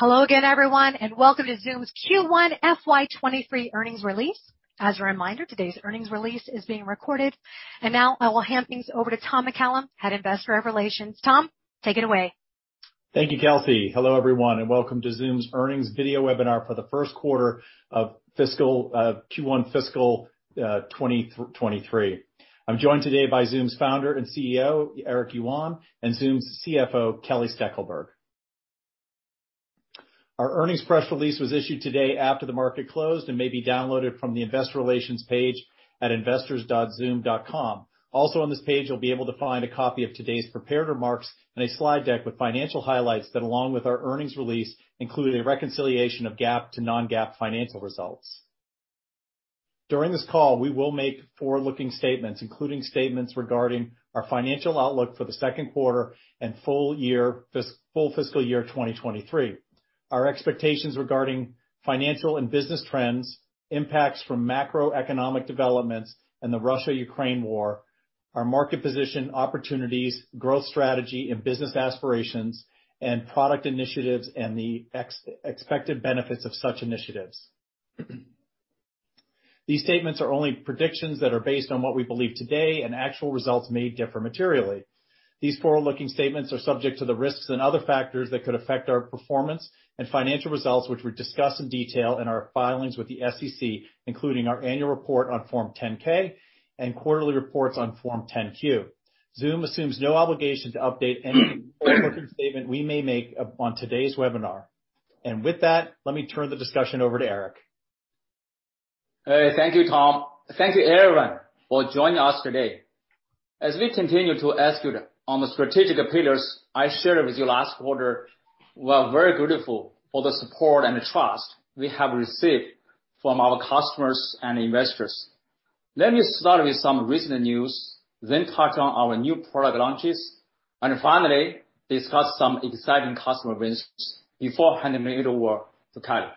Hello again everyone, and welcome to Zoom's Q1 FY 2023 earnings release. As a reminder, today's earnings release is being recorded. Now I will hand things over to Tom McCallum, Head of Investor Relations. Tom, take it away. Thank you, Kelsey. Hello everyone, and welcome to Zoom's earnings video webinar for the Q1, of fiscal Q1 fiscal 2023. I'm joined today by Zoom's founder and CEO, Eric Yuan, and Zoom's CFO, Kelly Steckelberg. Our earnings press release was issued today after the market closed and may be downloaded from the investor relations page at investors.zoom.com. Also on this page, you'll be able to find a copy of today's prepared remarks and a slide deck with financial highlights that, along with our earnings release, include a reconciliation of GAAP to non-GAAP financial results. During this call, we will make forward-looking statements, including statements regarding our financial outlook for the Q2 and full year full fiscal year 2023. Our expectations regarding financial and business trends, impacts from macroeconomic developments and the Russia-Ukraine war, our market position, opportunities, growth strategy, and business aspirations and product initiatives and the expected benefits of such initiatives. These statements are only predictions that are based on what we believe today, and actual results may differ materially. These forward-looking statements are subject to the risks and other factors that could affect our performance and financial results, which we discuss in detail in our filings with the SEC, including our annual report on Form 10-K and quarterly reports on Form 10-Q. Zoom assumes no obligation to update any forward-looking statement we may make up on today's webinar. With that, let me turn the discussion over to Eric. Thank you, Tom. Thank you everyone for joining us today. As we continue to execute on the strategic pillars I shared with you last quarter, we are very grateful for the support and trust we have received from our customers and investors. Let me start with some recent news, then touch on our new product launches, and finally discuss some exciting customer wins before handing it over to Kelly.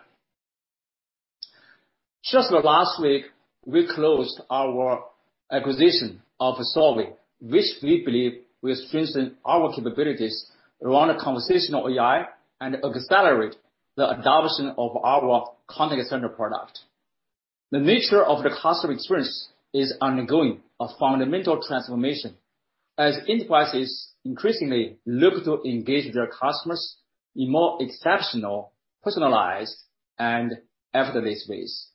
Just last week, we closed our acquisition of Solvvy, which we believe will strengthen our capabilities around conversational AI and accelerate the adoption of our contact center product. The nature of the customer experience is undergoing a fundamental transformation as enterprises increasingly look to engage their customers in more exceptional, personalized, and effortless ways.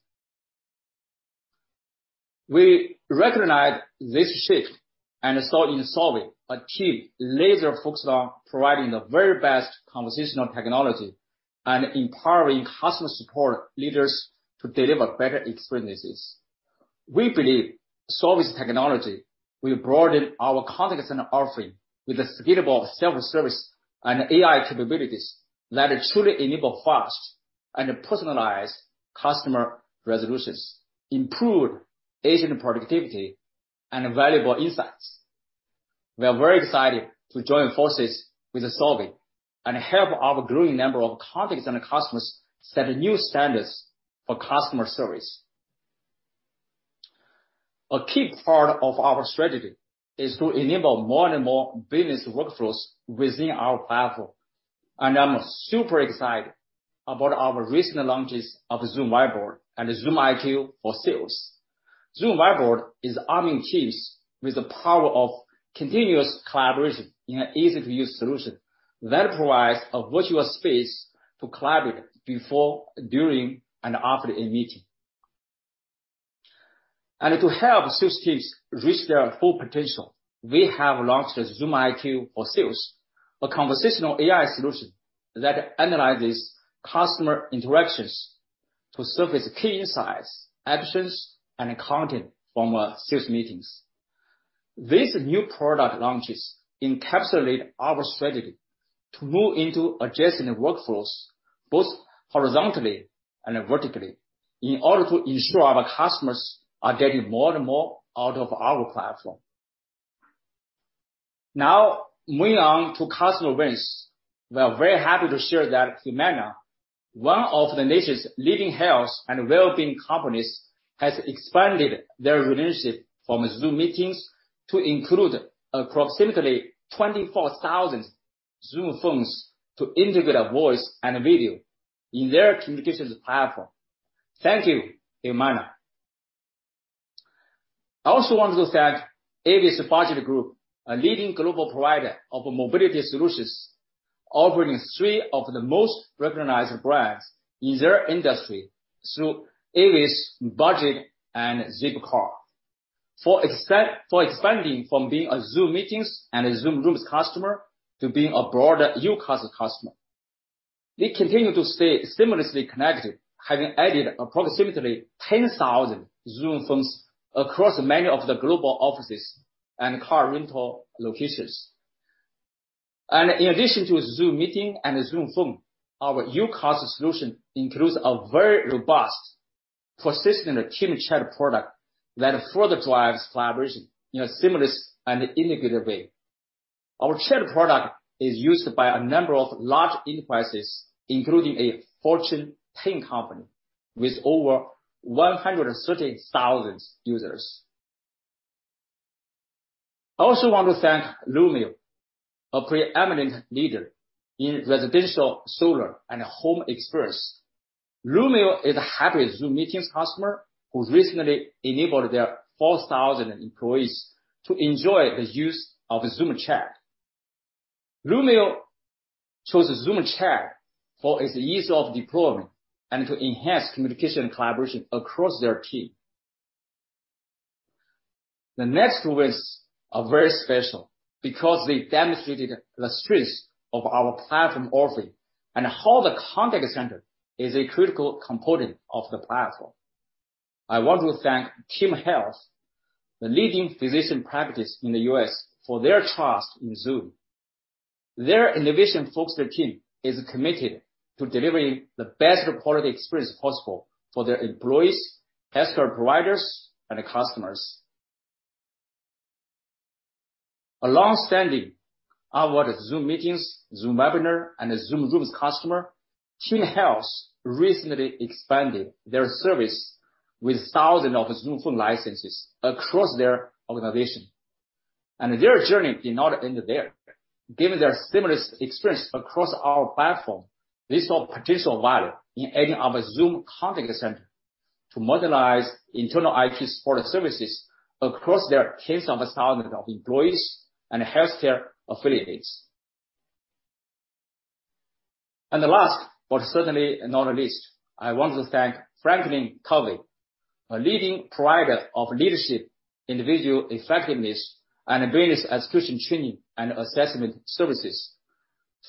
We recognize this shift and saw in Solvvy, a key laser focus on providing the very best conversational technology and empowering customer support leaders to deliver better experiences. We believe Solvvy's technology will broaden our contact center offering with the scalable self-service and AI capabilities that truly enable fast and personalized customer resolutions, improve agent productivity and valuable insights. We are very excited to join forces with Solvvy and help our growing number of contact center customers set new standards for customer service. A key part of our strategy is to enable more and more business workflows within our platform, and I'm super excited about our recent launches of Zoom Whiteboard and Zoom IQ for Sales. Zoom Whiteboard is arming teams with the power of continuous collaboration in an easy-to-use solution that provides a virtual space to collaborate before, during, and after a meeting. To help sales teams reach their full potential, we have launched Zoom IQ for Sales, a conversational AI solution that analyzes customer interactions to surface key insights, actions, and content from sales meetings. These new product launches encapsulate our strategy to move into adjacent workflows both horizontally and vertically in order to ensure our customers are getting more and more out of our platform. Now, moving on to customer wins. We are very happy to share that Humana, one of the nation's leading health and well-being companies, has expanded their relationship from Zoom Meetings to include approximately 24,000 Zoom Phones to integrate voice and video in their communications platform. Thank you, Humana. I also want to thank Avis Budget Group, a leading global provider of mobility solutions, offering three of the most recognized brands in their industry through Avis, Budget, and Zipcar, for expanding from being a Zoom Meetings and Zoom Rooms customer to being a broader UCaaS customer. They continue to stay seamlessly connected, having added approximately 10,000 Zoom Phone across many of the global offices and car rental locations. In addition to Zoom Meetings and Zoom Phone, our UCaaS solution includes a very robust, persistent team chat product that further drives collaboration in a seamless and integrated way. Our chat product is used by a number of large enterprises, including a Fortune 10 company with over 130,000 users. I also want to thank Lumio, a preeminent leader in residential, solar, and home experts. Lumio is a happy Zoom Meetings customer who recently enabled their 4,000 employees to enjoy the use of Zoom Chat. Lumio chose Zoom Chat for its ease of deployment and to enhance communication and collaboration across their team. The next two wins are very special because they demonstrated the strengths of our platform offering and how the contact center is a critical component of the platform. I want to thank TeamHealth, the leading physician practice in the U.S. for their trust in Zoom. Their innovation-focused team is committed to delivering the best quality experience possible for their employees, healthcare providers, and customers. A long-standing award-winning Zoom Meetings, Zoom Webinar, and Zoom Rooms customer, TeamHealth recently expanded their service with thousands of Zoom Phone licenses across their organization. Their journey did not end there. Given their seamless experience across our platform, they saw potential value in adding our Zoom Contact Center to modernize internal IT support services across their tens of thousands of employees and healthcare affiliates. The last, but certainly not least, I want to thank FranklinCovey, a leading provider of leadership, individual effectiveness, and business execution training and assessment services.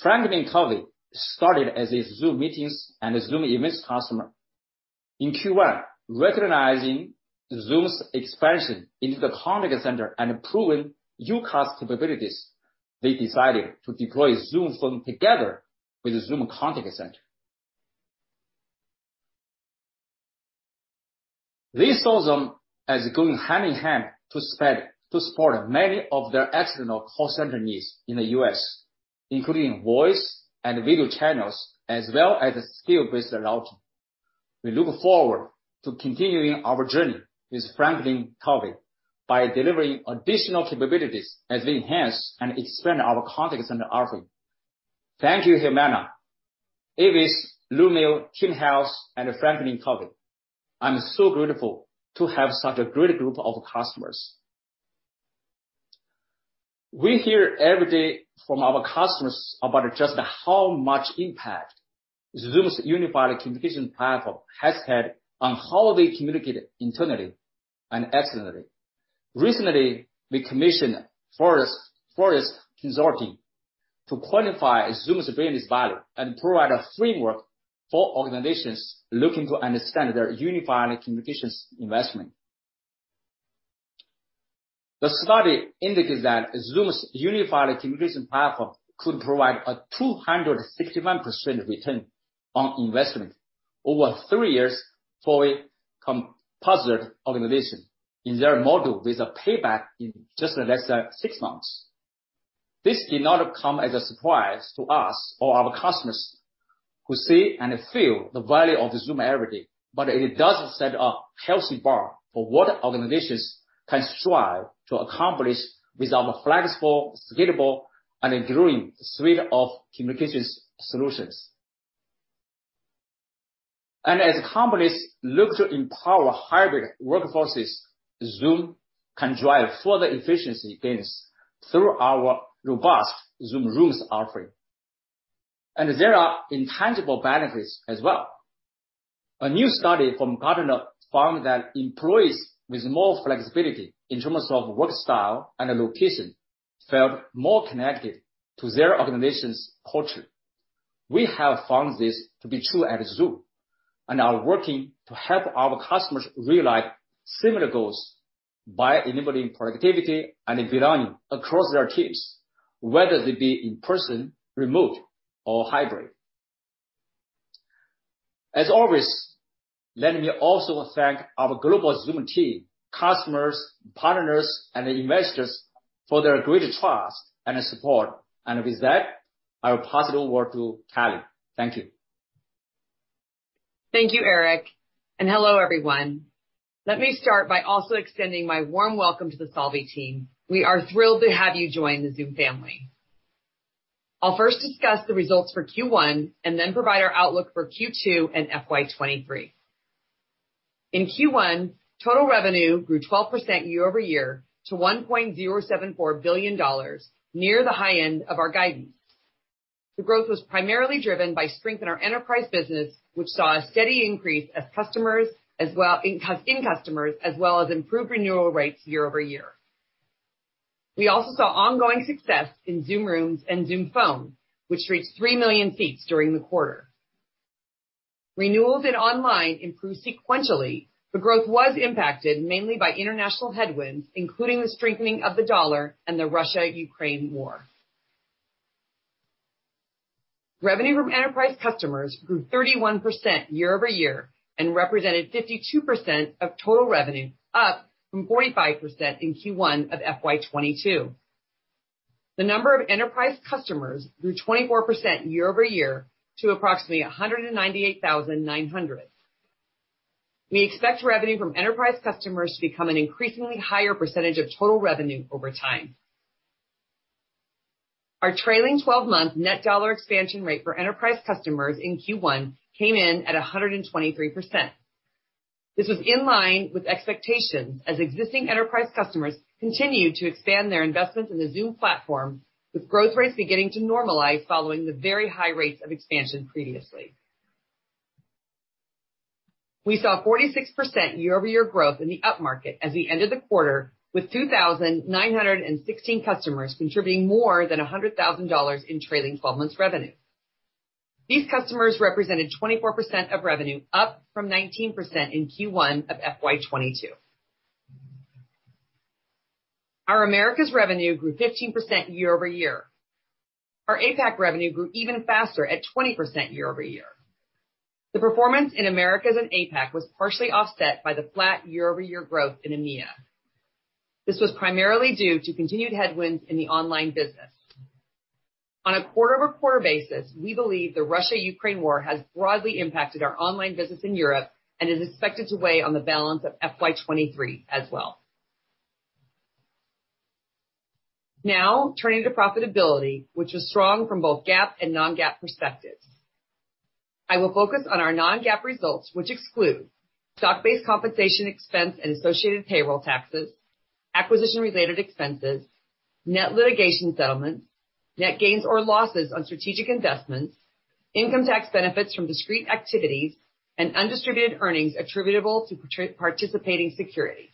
FranklinCovey started as a Zoom Meetings and a Zoom Events customer. In Q1, recognizing Zoom's expansion into the contact center and improving UCaaS capabilities, they decided to deploy Zoom Phone together with Zoom Contact Center. They saw Zoom as going hand-in-hand to support many of their external call center needs in the U.S., including voice and video channels, as well as skill-based routing. We look forward to continuing our journey with FranklinCovey by delivering additional capabilities as we enhance and expand our contact center offering. Thank you, Humana, Avis, Lumio, TeamHealth, and FranklinCovey. I'm so grateful to have such a great group of customers. We hear every day from our customers about just how much impact Zoom's Unified Communications Platform has had on how they communicate internally and externally. Recently, we commissioned Forrester Consulting to quantify Zoom's business value and provide a framework for organizations looking to understand their unified communications investment. The study indicates that Zoom's Unified Communications Platform could provide a 261% return on investment over three years for a composite organization in their model with a payback in just less than six months. This did not come as a surprise to us or our customers who see and feel the value of Zoom every day, but it does set a healthy bar for what organizations can strive to accomplish with our flexible, scalable, and growing suite of communications solutions. As companies look to empower hybrid workforces, Zoom can drive further efficiency gains through our robust Zoom Rooms offering. There are intangible benefits as well. A new study from Gartner found that employees with more flexibility in terms of work style and location felt more connected to their organization's culture. We have found this to be true at Zoom, and are working to help our customers realize similar goals by enabling productivity and belonging across their teams, whether they be in person, remote, or hybrid. As always, let me also thank our global Zoom team, customers, partners, and investors for their great trust and support. With that, I will pass it over to Kelly. Thank you. Thank you, Eric, and hello, everyone. Let me start by also extending my warm welcome to the Solvvy team. We are thrilled to have you join the Zoom family. I'll first discuss the results for Q1 and then provide our outlook for Q2 and FY 2023. In Q1, total revenue grew 12% year-over-year to $1.074 billion, near the high end of our guidance. The growth was primarily driven by strength in our enterprise business, which saw a steady increase of customers as well as improved renewal rates year-over-year. We also saw ongoing success in Zoom Rooms and Zoom Phone, which reached three million seats during the quarter. Renewals in online improved sequentially, but growth was impacted mainly by international headwinds, including the strengthening of the dollar and the Russia-Ukraine war. Revenue from enterprise customers grew 31% year-over-year and represented 52% of total revenue, up from 45% in Q1 of FY 2022. The number of enterprise customers grew 24% year-over-year to approximately 198,900. We expect revenue from enterprise customers to become an increasingly higher percentage of total revenue over time. Our trailing 12-month net dollar expansion rate for enterprise customers in Q1 came in at 123%. This was in line with expectations as existing enterprise customers continued to expand their investments in the Zoom platform, with growth rates beginning to normalize following the very high rates of expansion previously. We saw 46% year-over-year growth in the upmarket as we ended the quarter with 2,916 customers contributing more than $100,000 in trailing 12-month revenue. These customers represented 24% of revenue, up from 19% in Q1 of FY 2022. Our Americas revenue grew 15% year-over-year. Our APAC revenue grew even faster at 20% year-over-year. The performance in Americas and APAC was partially offset by the flat year-over-year growth in EMEA. This was primarily due to continued headwinds in the online business. On a quarter-over-quarter basis, we believe the Russia-Ukraine war has broadly impacted our online business in Europe and is expected to weigh on the balance of FY 2023 as well. Now, turning to profitability, which was strong from both GAAP and non-GAAP perspectives. I will focus on our non-GAAP results, which exclude stock-based compensation expense and associated payroll taxes, acquisition-related expenses, net litigation settlements, net gains or losses on strategic investments, income tax benefits from discrete activities, and undistributed earnings attributable to participating securities.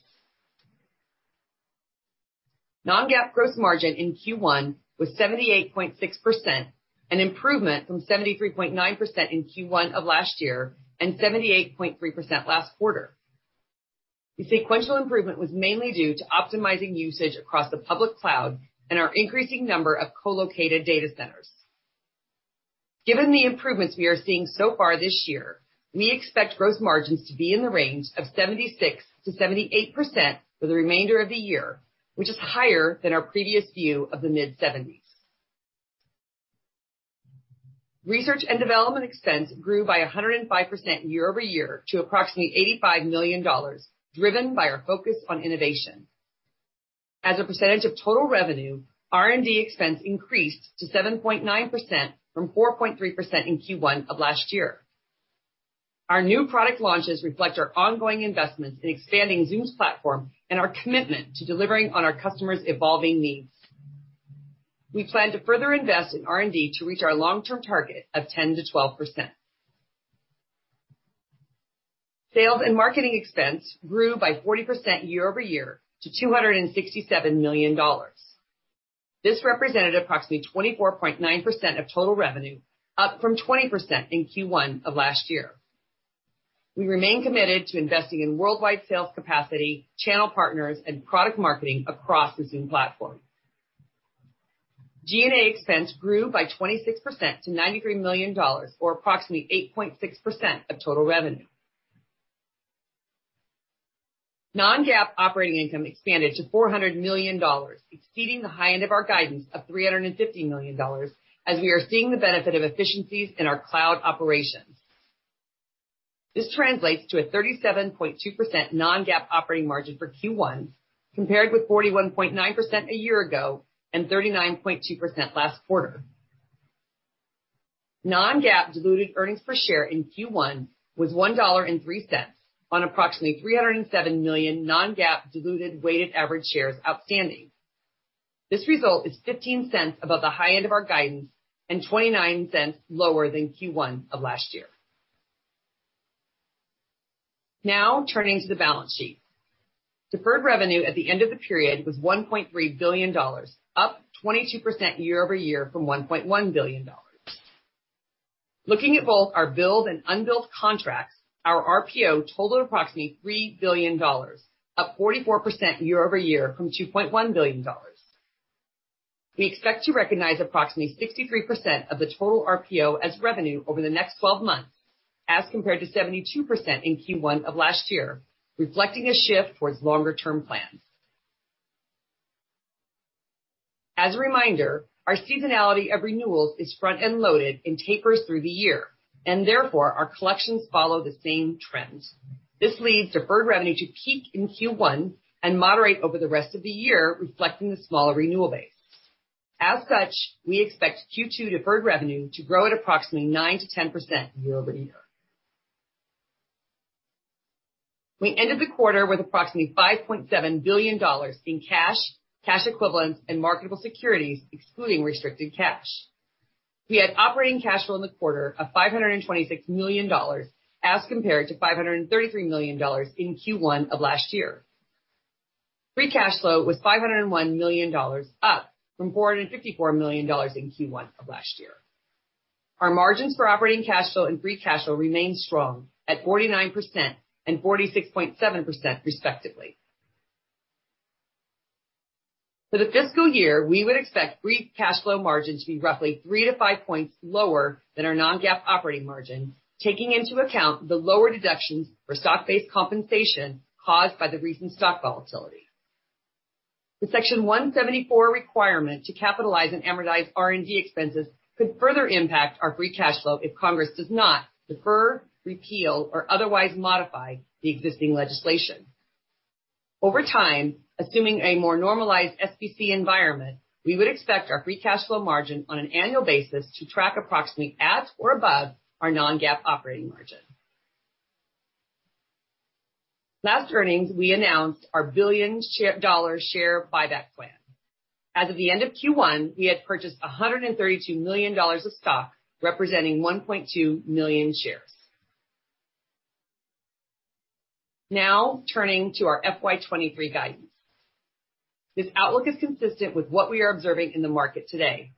Non-GAAP gross margin in Q1 was 78.6%, an improvement from 73.9% in Q1 of last year, and 78.3% last quarter. The sequential improvement was mainly due to optimizing usage across the public cloud and our increasing number of co-located data centers. Given the improvements we are seeing so far this year, we expect gross margins to be in the range of 76%-78% for the remainder of the year, which is higher than our previous view of the mid-70s. Research and development expense grew 105% year-over-year to approximately $85 million, driven by our focus on innovation. As a percentage of total revenue, R&D expense increased to 7.9% from 4.3% in Q1 of last year. Our new product launches reflect our ongoing investments in expanding Zoom's platform and our commitment to delivering on our customers' evolving needs. We plan to further invest in R&D to reach our long-term target of 10%-12%. Sales and marketing expense grew by 40% year-over-year to $267 million. This represented approximately 24.9% of total revenue, up from 20% in Q1 of last year. We remain committed to investing in worldwide sales capacity, channel partners, and product marketing across the Zoom platform. G&A expense grew by 26% to $93 million, or approximately 8.6% of total revenue. Non-GAAP operating income expanded to $400 million, exceeding the high end of our guidance of $350 million as we are seeing the benefit of efficiencies in our cloud operations. This translates to a 37.2% non-GAAP operating margin for Q1, compared with 41.9% a year ago, and 39.2% last quarter. Non-GAAP diluted earnings per share in Q1 was $1.03 on approximately 307 million non-GAAP diluted weighted average shares outstanding. This result is $0.15 above the high end of our guidance and $0.29 lower than Q1 of last year. Now, turning to the balance sheet. Deferred revenue at the end of the period was $1.3 billion, up 22% year-over-year from $1.1 billion. Looking at both our billed and unbilled contracts, our RPO totaled approximately $3 billion, up 44% year-over-year from $2.1 billion. We expect to recognize approximately 63% of the total RPO as revenue over the next 12 months, as compared to 72% in Q1 of last year, reflecting a shift towards longer-term plans. As a reminder, our seasonality of renewals is front and loaded and tapers through the year, and therefore our collections follow the same trends. This leads deferred revenue to peak in Q1 and moderate over the rest of the year, reflecting the smaller renewal base. We expect Q2 deferred revenue to grow at approximately 9%-10% year-over-year. We ended the quarter with approximately $5.7 billion in cash, cash equivalents, and marketable securities, excluding restricted cash. We had operating cash flow in the quarter of $526 million, as compared to $533 million in Q1 of last year. Free cash flow was $501 million, up from $454 million in Q1 of last year. Our margins for operating cash flow and free cash flow remain strong at 49% and 46.7% respectively. For the fiscal year, we would expect free cash flow margin to be roughly 3-5 points lower than our non-GAAP operating margin, taking into account the lower deductions for stock-based compensation caused by the recent stock volatility. The Section 174 requirement to capitalize and amortize R&D expenses could further impact our free cash flow if Congress does not defer, repeal, or otherwise modify the existing legislation. Over time, assuming a more normalized SBC environment, we would expect our free cash flow margin on an annual basis to track approximately at or above our non-GAAP operating margin. Last earnings, we announced our $1 billion share buyback plan. As of the end of Q1, we had purchased $132 million of stock, representing 1.2 million shares. Now turning to our FY 2023 guidance. This outlook is consistent with what we are observing in the market today.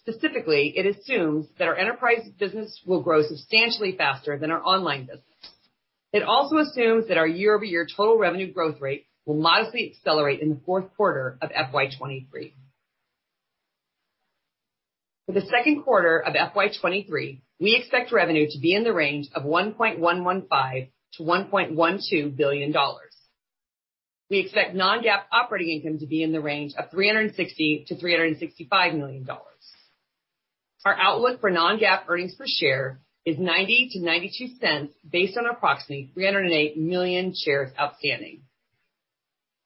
Specifically, it assumes that our enterprise business will grow substantially faster than our online business. It also assumes that our year-over-year total revenue growth rate will modestly accelerate in the Q4 of FY 2023. For the Q2 of FY 2023, we expect revenue to be in the range of $1.115 billion-$1.12 billion. We expect non-GAAP operating income to be in the range of $360 million-$365 million. Our outlook for non-GAAP earnings per share is $0.90-$0.92 based on approximately 308 million shares outstanding.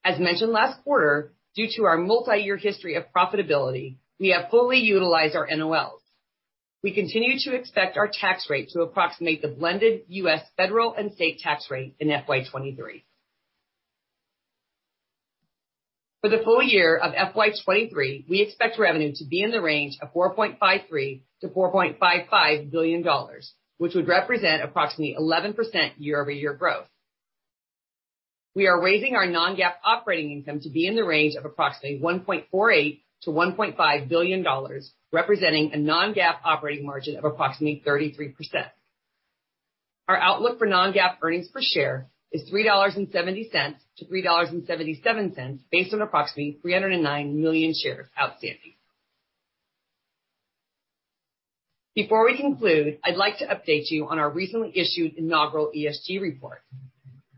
As mentioned last quarter, due to our multi-year history of profitability, we have fully utilized our NOLs. We continue to expect our tax rate to approximate the blended U.S. federal and state tax rate in FY 2023. For the full year of FY 2023, we expect revenue to be in the range of $4.53 billion-$4.55 billion, which would represent approximately 11% year-over-year growth. We are raising our non-GAAP operating income to be in the range of approximately $1.48 billion-$1.5 billion, representing a non-GAAP operating margin of approximately 33%. Our outlook for non-GAAP earnings per share is $3.70-$3.77 based on approximately 309 million shares outstanding. Before we conclude, I'd like to update you on our recently issued inaugural ESG report.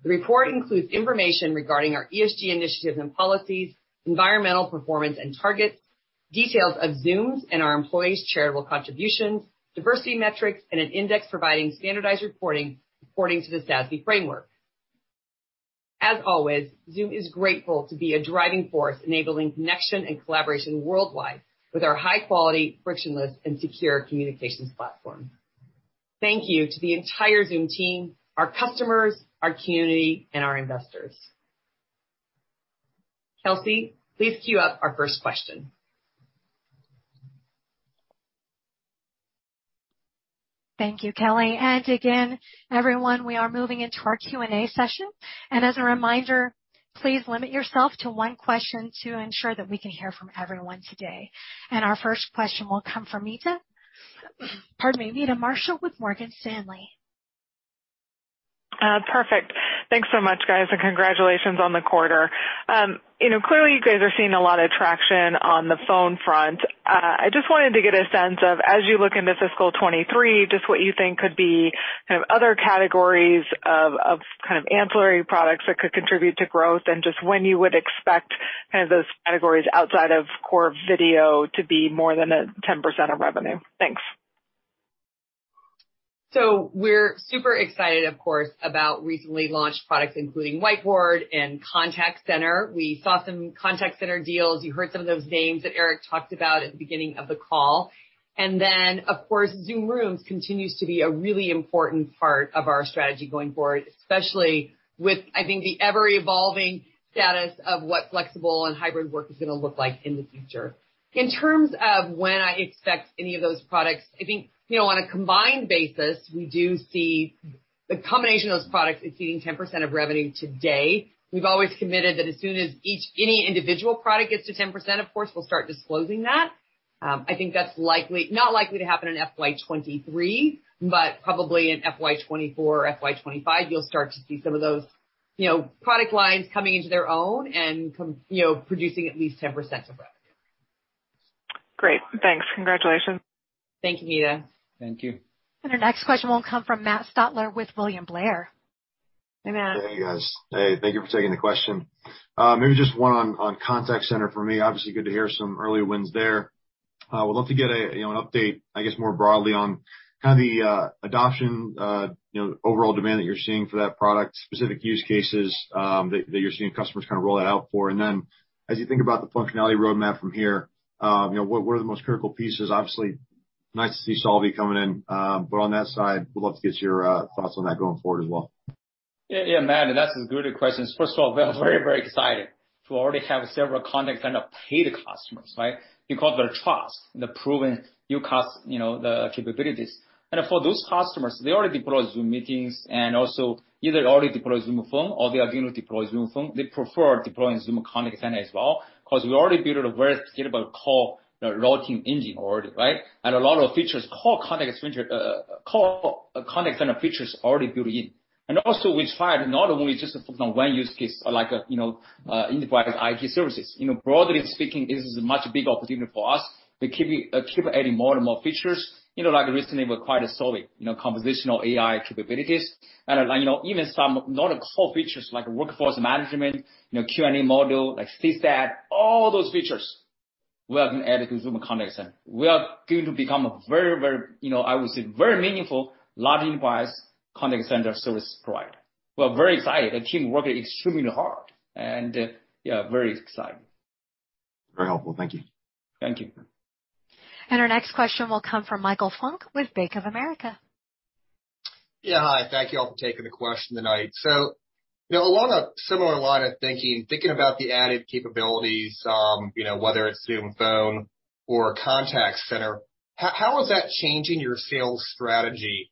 The report includes information regarding our ESG initiatives and policies, environmental performance and targets, details of Zoom's and our employees' charitable contributions, diversity metrics, and an index providing standardized reporting according to the SASB framework. As always, Zoom is grateful to be a driving force enabling connection and collaboration worldwide with our high-quality, frictionless and secure communications platform. Thank you to the entire Zoom team, our customers, our community, and our investors. Kelsey, please queue up our first question. Thank you, Kelly. Again, everyone, we are moving into our Q&A session. As a reminder, please limit yourself to one question to ensure that we can hear from everyone today. Our first question will come from Meta Marshall with Morgan Stanley. Perfect. Thanks so much, guys, and congratulations on the quarter. You know, clearly you guys are seeing a lot of traction on the phone front. I just wanted to get a sense of, as you look into fiscal 2023, just what you think could be kind of other categories of kind of ancillary products that could contribute to growth and just when you would expect kind of those categories outside of core video to be more than 10% of revenue? Thanks. We're super excited, of course, about recently launched products, including Whiteboard and Contact Center. We saw some contact center deals. You heard some of those names that Eric talked about at the beginning of the call. Of course, Zoom Rooms continues to be a really important part of our strategy going forward, especially with, I think, the ever-evolving status of what flexible and hybrid work is gonna look like in the future. In terms of when I expect any of those products, I think, you know, on a combined basis, we do see the combination of those products exceeding 10% of revenue today. We've always committed that as soon as each, any individual product gets to 10%, of course, we'll start disclosing that. I think that's likely. Not likely to happen in FY 2023, but probably in FY 2024 or FY 2025, you'll start to see some of those, you know, product lines coming into their own and, you know, producing at least 10% of revenue. Great. Thanks. Congratulations. Thank you, Meta. Thank you. Our next question will come from Matt Stotler with William Blair. Hey, Matt. Hey, guys. Hey, thank you for taking the question. Maybe just one on contact center for me. Obviously, good to hear some early wins there. Would love to get a, you know, an update, I guess, more broadly on kind of the adoption, you know, overall demand that you're seeing for that product, specific use cases, that you're seeing customers kind of roll it out for. As you think about the functionality roadmap from here, you know, what are the most critical pieces? Obviously nice to see Solvvy coming in. But on that side, we'd love to get your thoughts on that going forward as well. Yeah, yeah, Matt, that's as good a question. First of all, we are very, very excited to already have several contact, kind of paid customers, right? Because their trust in the proven new cost, you know, the capabilities. For those customers, they already deploy Zoom Meetings and also either already deployed Zoom Phone or they are going to deploy Zoom Phone. They prefer deploying Zoom Contact Center as well, 'cause we already built a very scalable call routing engine already, right? A lot of features, call contact center, call contact center features already built in. Also we find not only just a functional one use case like, you know, enterprise IT services. You know, broadly speaking, this is a much bigger opportunity for us. We keep adding more and more features, you know, like recently we acquired Solvvy, you know, conversational AI capabilities and, you know, even some not core features like workforce management, you know, QA module, like CSAT, all those features. We are going to add a consumer contact center. We are going to become a very, you know, I would say very meaningful large enterprise contact center service provider. We're very excited. The team working extremely hard and, yeah, very excited. Very helpful. Thank you. Thank you. Our next question will come from Michael Funk with Bank of America. Yeah, hi. Thank you all for taking the question tonight. You know, along a similar line of thinking about the added capabilities, you know, whether it's Zoom Phone or a contact center, how is that changing your sales strategy,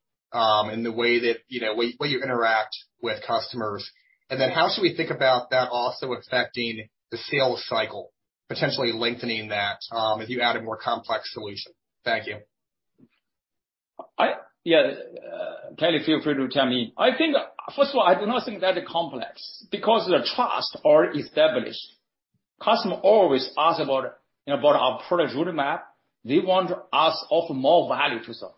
in the way that, you know, way you interact with customers? How should we think about that also affecting the sales cycle, potentially lengthening that, if you add a more complex solution? Thank you. Yeah. Kelly, feel free to chime in. I think, first of all, I do not think that's complex because the trust already established. Customer always ask about, you know, about our product roadmap. They want us offer more value to them,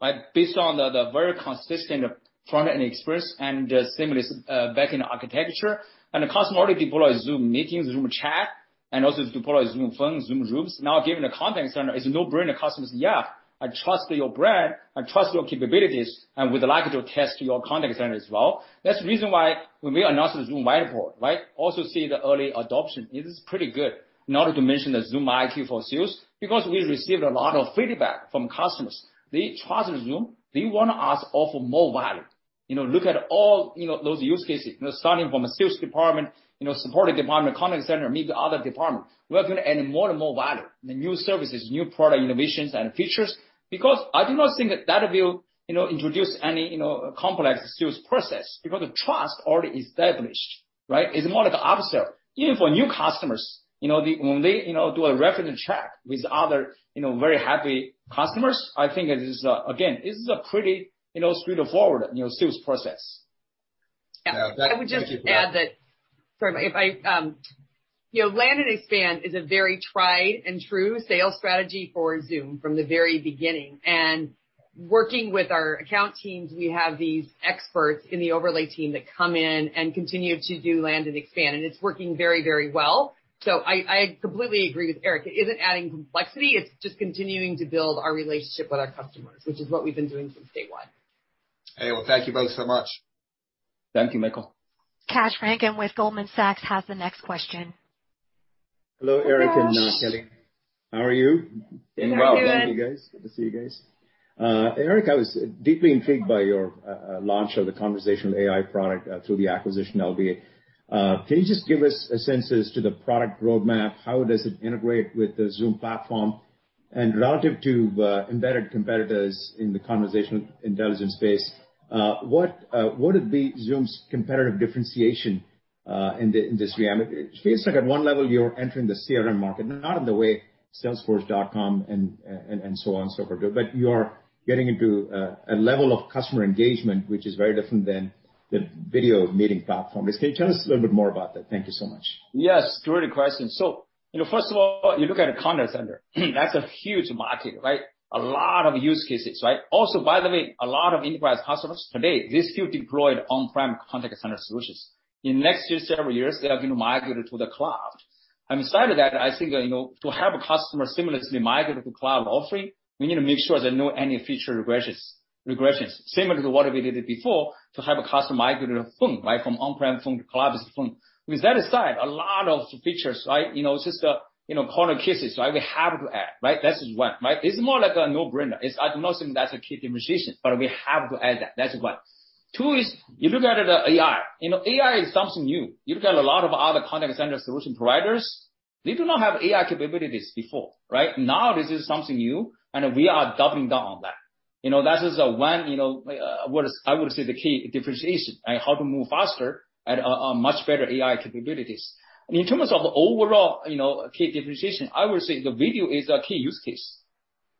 right? Based on the very consistent front-end experience and the seamless backend architecture. The customer already deploy Zoom Meetings, Zoom Chat, and also deploy Zoom Phone, Zoom Rooms. Now, given the contact center is a no-brainer, customers. Yeah, I trust your brand, I trust your capabilities, and would like to test your contact center as well. That's the reason why when we announced Zoom Webinar, right, we also see the early adoption. It is pretty good. Not to mention the Zoom IQ for Sales, because we received a lot of feedback from customers. They trust Zoom. They want us offer more value. You know, look at all, you know, those use cases, you know, starting from a sales department, you know, support department, contact center, maybe other department. We are gonna add more and more value, the new services, new product innovations and features, because I do not think that will, you know, introduce any, you know, complex sales process because the trust already established, right? It's more like the upsell. Even for new customers, you know, when they, you know, do a reference check with other, you know, very happy customers, I think it is, again, this is a pretty, you know, straightforward, you know, sales process. Yeah. Thank you for that. I would just add that. You know, land and expand is a very tried and true sales strategy for Zoom from the very beginning. Working with our account teams, we have these experts in the overlay team that come in and continue to do land and expand, and it's working very, very well. I completely agree with Eric. It isn't adding complexity, it's just continuing to build our relationship with our customers, which is what we've been doing since day one. Hey, well, thank you both so much. Thank you, Michael. Kash Rangan with Goldman Sachs has the next question. Hello, Eric and Kelly. How are you? Doing well. We're good. Thank you, guys. Good to see you guys. Eric, I was deeply intrigued by your launch of the conversational AI product through the acquisition of Solvvy. Can you just give us a sense as to the product roadmap? How does it integrate with the Zoom platform? Relative to embedded competitors in the conversational intelligence space, what would be Zoom's competitive differentiation in the industry? It seems like at one level you're entering the CRM market, not in the way salesforce.com and so on and so forth do, but you are getting into a level of customer engagement which is very different than the video meeting platform. Can you tell us a little bit more about that? Thank you so much. Yes, great question. You know, first of all, you look at a contact center, that's a huge market, right? A lot of use cases, right? Also, by the way, a lot of enterprise customers today, they still deploy on-prem contact center solutions. In next few several years, they are gonna migrate to the cloud. Inside of that, I think, you know, to have a customer seamlessly migrate to cloud offering, we need to make sure there are no any feature regressions. Similar to what we did it before to have a customer migrate to Phone, right? From on-prem phone to cloud-based phone. With that aside, a lot of features, right, you know, it's just, you know, corner cases, right, we have to add, right? That's one, right? It's more like a no-brainer. I do not think that's a key differentiation, but we have to add that. That's one. Two is you look at the AI. You know, AI is something new. You look at a lot of other contact center solution providers, they do not have AI capabilities before, right? Now, this is something new, and we are doubling down on that. You know, that is one, you know, what is, I would say the key differentiation, right? How to move faster at a much better AI capabilities. In terms of overall, you know, key differentiation, I would say the video is a key use case,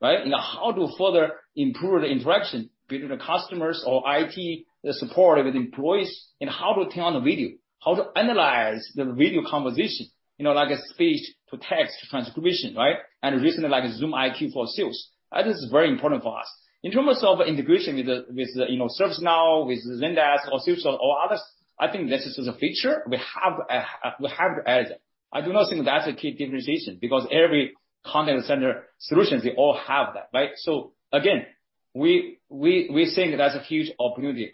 right? You know, how to further improve the interaction between the customers or IT, the support with employees, and how to turn on the video, how to analyze the video conversation, you know, like a speech-to-text transcription, right? Recently like Zoom IQ for Sales. That is very important for us. In terms of integration with the, you know, ServiceNow, with Zendesk or Salesforce or others, I think this is a feature. We have to add that. I do not think that's a key differentiation because every contact center solutions, they all have that, right? Again, we think that's a huge opportunity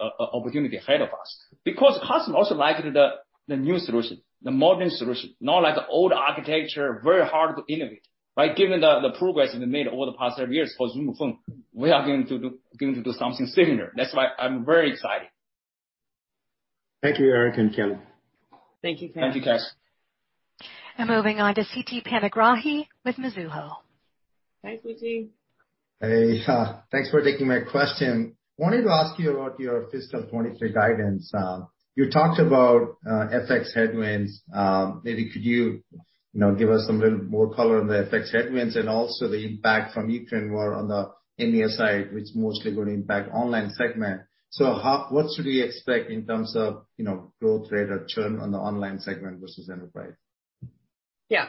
ahead of us. Because customers also like the new solution, the modern solution. Not like the old architecture, very hard to innovate, right? Given the progress we made over the past several years for Zoom Phone, we are going to do something similar. That's why I'm very excited. Thank you, Eric and Kelly. Thank you, Kash. Thank you, Kash. Moving on to Siti Panigrahi with Mizuho. Hi, Siti. Hey. Thanks for taking my question. Wanted to ask you about your fiscal 2023 guidance. You talked about FX headwinds. Maybe could you know, give us a little more color on the FX headwinds and also the impact from the Ukraine war on the EMEA side, which mostly gonna impact online segment. What should we expect in terms of, you know, growth rate or churn on the online segment versus enterprise? Yeah.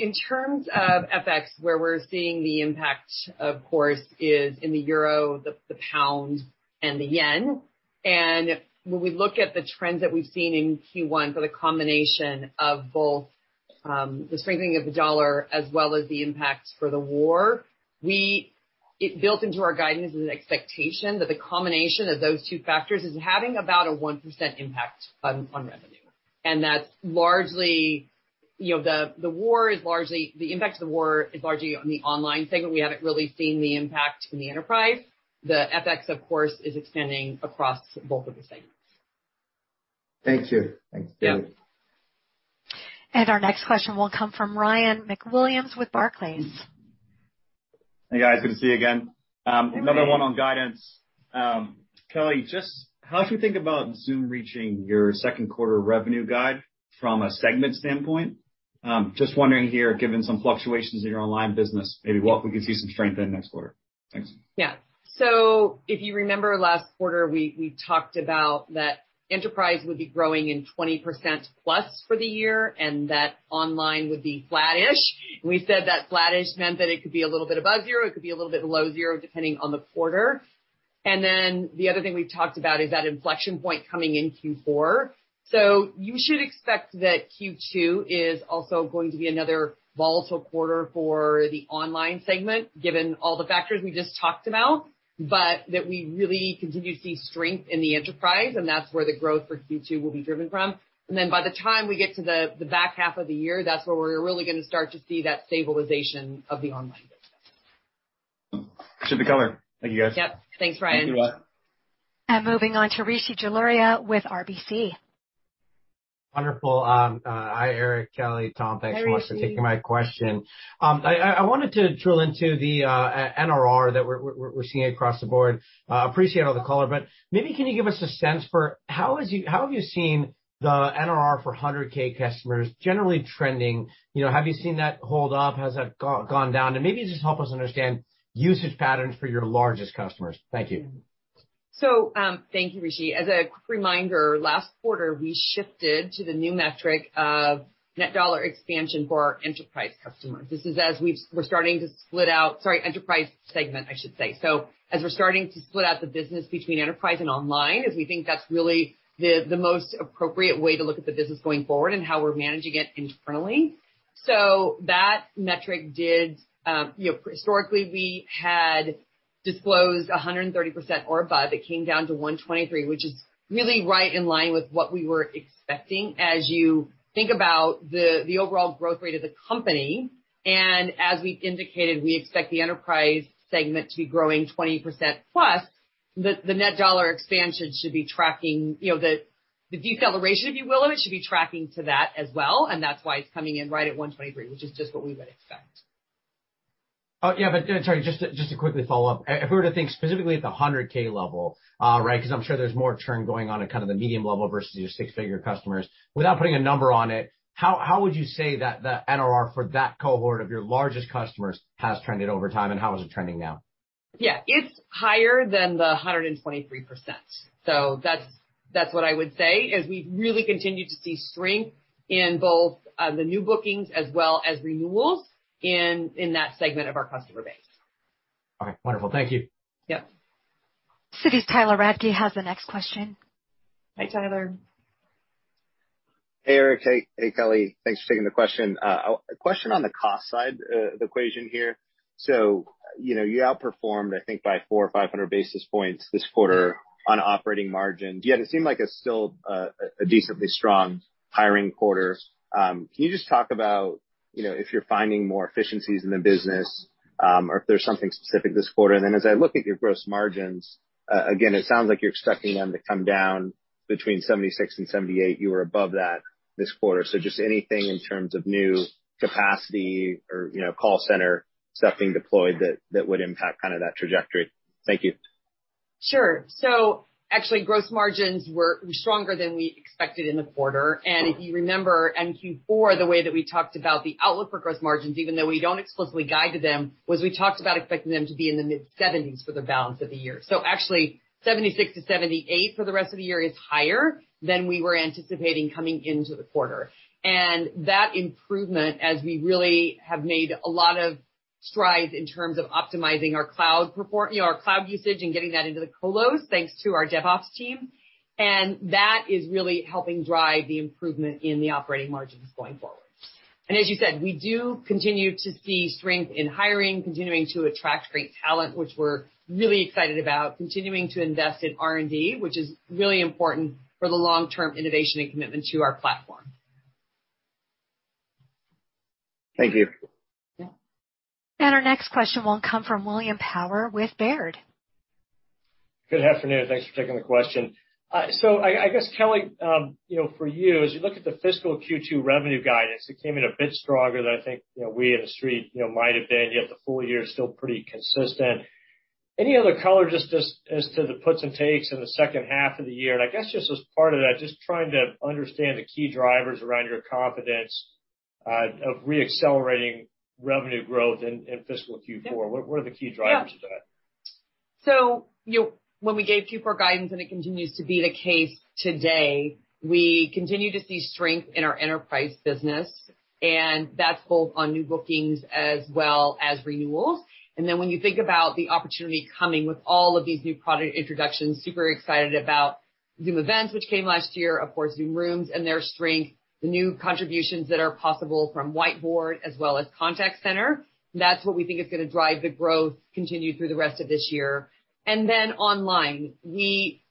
In terms of FX, where we're seeing the impact, of course, is in the euro, the pound, and the yen. When we look at the trends that we've seen in Q1 for the combination of both, the strengthening of the dollar as well as the impact for the war, it built into our guidance as an expectation that the combination of those two factors is having about a 1% impact on revenue. That's largely the impact of the war is largely on the online segment. We haven't really seen the impact in the enterprise. The FX, of course, is extending across both of the segments. Thank you. Thanks, Kelly. Yeah. Our next question will come from Ryan MacWilliams with Barclays. Hey, guys. Good to see you again. Another one on guidance. Kelly, just how do you think about Zoom reaching your Q2 revenue guide from a segment standpoint? Just wondering here, given some fluctuations in your online business, maybe what we could see some strength in next quarter? Thanks. Yeah. If you remember last quarter, we talked about that enterprise would be growing in 20% plus for the year and that online would be flattish. We said that flattish meant that it could be a little bit above zero, it could be a little bit below zero, depending on the quarter. The other thing we've talked about is that inflection point coming in Q4. You should expect that Q2 is also going to be another volatile quarter for the online segment, given all the factors we just talked about, but that we really continue to see strength in the enterprise, and that's where the growth for Q2 will be driven from. By the time we get to the back half of the year, that's where we're really gonna start to see that stabilization of the online business. Should be coming. Thank you, guys. Yep. Thanks, Ryan. Thank you, Ryan. Moving on to Rishi Jaluria with RBC. Wonderful. Hi, Eric, Kelly, Tom, thanks so much for taking my question. I wanted to drill into the NRR that we're seeing across the board. Appreciate all the color, but maybe can you give us a sense for how have you seen the NRR for 100,000 customers generally trending? You know, have you seen that hold up? Has that gone down? Maybe just help us understand usage patterns for your largest customers. Thank you. Thank you, Rishi. As a quick reminder, last quarter, we shifted to the new metric of net dollar expansion for our enterprise customers. This is as we're starting to split out enterprise segment, I should say. As we're starting to split out the business between enterprise and online, as we think that's really the most appropriate way to look at the business going forward and how we're managing it internally. That metric did, you know, historically we had disclosed 130% or above. It came down to 123%, which is really right in line with what we were expecting. As you think about the overall growth rate of the company, and as we indicated, we expect the enterprise segment to be growing 20%+, the net dollar expansion should be tracking, you know, the deceleration, if you will, of it should be tracking to that as well, and that's why it's coming in right at 123%, which is just what we would expect. Oh, yeah, sorry, just to quickly follow up. If we were to think specifically at the 100,000 level, right, 'cause I'm sure there's more churn going on at kind of the medium level versus your six-figure customers. Without putting a number on it, how would you say that the NRR for that cohort of your largest customers has trended over time, and how is it trending now? Yeah. It's higher than 123%. That's what I would say, is we've really continued to see strength in both, the new bookings as well as renewals in that segment of our customer base. Okay, wonderful. Thank you. Yep. Citi's Tyler Radke has the next question. Hi, Tyler. Hey, Eric. Hey, Kelly. Thanks for taking the question. A question on the cost side of the equation here. You know, you outperformed, I think, by 400 basis points or 500 basis points this quarter on operating margin. Yet it seemed like it's still a decently strong hiring quarter. Can you just talk about, you know, if you're finding more efficiencies in the business, or if there's something specific this quarter? And then as I look at your gross margins, again, it sounds like you're expecting them to come down between 76% and 78%. You were above that this quarter. Just anything in terms of new capacity or, you know, call center stuff being deployed that would impact kind of that trajectory? Thank you. Sure. Actually, gross margins were stronger than we expected in the quarter. If you remember in Q4, the way that we talked about the outlook for gross margins, even though we don't explicitly guide to them, was we talked about expecting them to be in the mid-70s for the balance of the year. Actually 76%-78% for the rest of the year is higher than we were anticipating coming into the quarter. That improvement, as we really have made a lot of strides in terms of optimizing our cloud usage and getting that into the coLOS, thanks to our DevOps team. That is really helping drive the improvement in the operating margins going forward. As you said, we do continue to see strength in hiring, continuing to attract great talent, which we're really excited about, continuing to invest in R&D, which is really important for the long-term innovation and commitment to our platform. Thank you. Yeah. Our next question will come from William Power with Baird. Good afternoon. Thanks for taking the question. I guess, Kelly, you know, for you, as you look at the fiscal Q2 revenue guidance, it came in a bit stronger than I think, you know, we in the Street, you know, might have been, yet the full year is still pretty consistent. Any other color just as to the puts and takes in the H2 of the year? I guess just as part of that, just trying to understand the key drivers around your confidence of re-accelerating revenue growth in fiscal Q4. What are the key drivers to that? Yeah. You know, when we gave Q4 guidance, and it continues to be the case today, we continue to see strength in our enterprise business, and that's both on new bookings as well as renewals. When you think about the opportunity coming with all of these new product introductions, super excited about Zoom Events, which came last year, of course, Zoom Rooms and their strength, the new contributions that are possible from Whiteboard as well as Contact Center, that's what we think is gonna drive the growth continue through the rest of this year. And then online,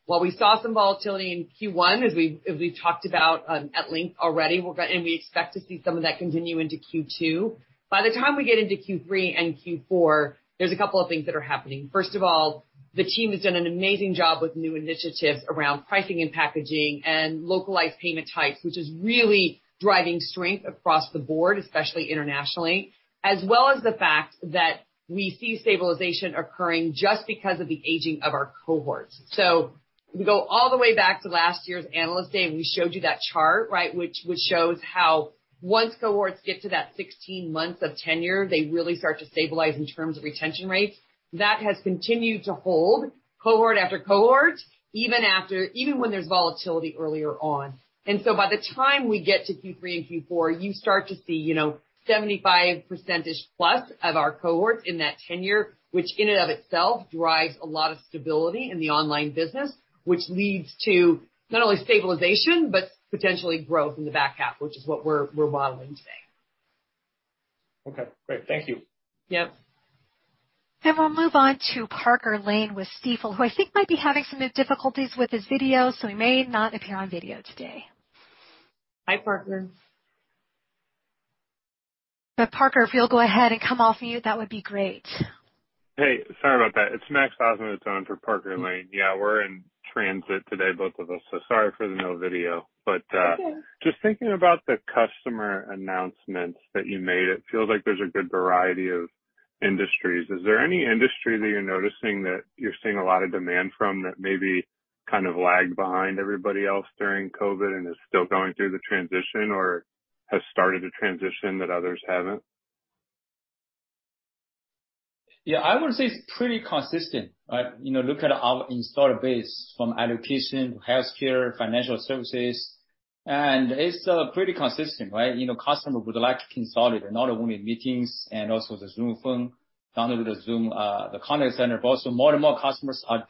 while we saw some volatility in Q1 as we've talked about at length already, and we expect to see some of that continue into Q2. By the time we get into Q3 and Q4, there's a couple of things that are happening. First of all, the team has done an amazing job with new initiatives around pricing and packaging and localized payment types, which is really driving strength across the board, especially internationally, as well as the fact that we see stabilization occurring just because of the aging of our cohorts. We go all the way back to last year's Analyst Day, and we showed you that chart, right? Which shows how once cohorts get to that 16 months of tenure, they really start to stabilize in terms of retention rates. That has continued to hold cohort after cohort, even when there's volatility earlier on. By the time we get to Q3 and Q4, you start to see, you know, 75% plus of our cohorts in that tenure, which in and of itself drives a lot of stability in the online business, which leads to not only stabilization, but potentially growth in the back half, which is what we're modeling today. Okay, great. Thank you. Yep. We'll move on to Parker Lane with Stifel, who I think might be having some difficulties with his video, so he may not appear on video today. Hi, Parker. Parker, if you'll go ahead and come off mute, that would be great. Hey, sorry about that. It's Max Osnowitz standing in for Parker Lane. Yeah, we're in transit today, both of us, so sorry for the no video. It's okay. Just thinking about the customer announcements that you made, it feels like there's a good variety of industries. Is there any industry that you're noticing that you're seeing a lot of demand from that maybe kind of lagged behind everybody else during COVID and is still going through the transition or has started a transition that others haven't? Yeah, I would say it's pretty consistent, right? You know, look at our installed base from education to healthcare, financial services, and it's pretty consistent, right? You know, customers would like to consolidate not only meetings and also the Zoom Phone down to the Zoom Contact Center, but also more and more customers are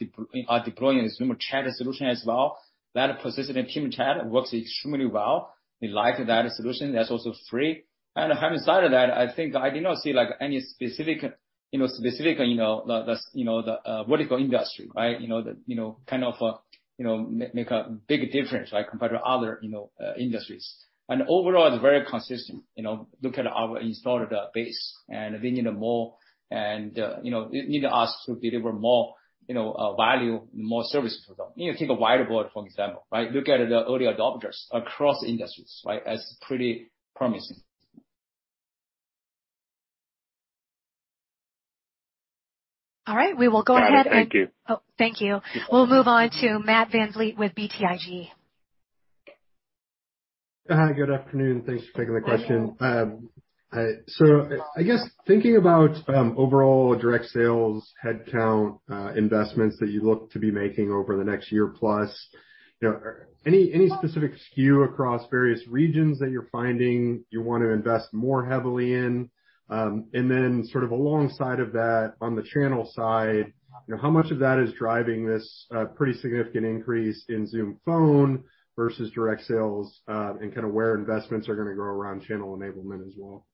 deploying the Zoom Chat solution as well. That persistent team chat works extremely well. They like that solution. That's also free. Having said that, I think I did not see like any specific, you know, the vertical industry, right? You know the kind of make a big difference, right? Compared to other industries. Overall it's very consistent. You know, look at our installed base and they need more and, you know, they need us to deliver more, you know, value and more services for them. You know, take a Whiteboard for example, right? Look at the early adopters across industries, right? That's pretty promising. All right. We will go ahead and. All right. Thank you. Oh, thank you. We'll move on to Matt VanVliet with BTIG. Hi, good afternoon. Thanks for taking the question. Good afternoon. I guess thinking about overall direct sales, headcount, investments that you look to be making over the next year plus, you know, any specific SKU across various regions that you're finding you wanna invest more heavily in? Then sort of alongside of that, on the channel side, you know, how much of that is driving this pretty significant increase in Zoom Phone versus direct sales, and kind of where investments are gonna grow around channel enablement as well?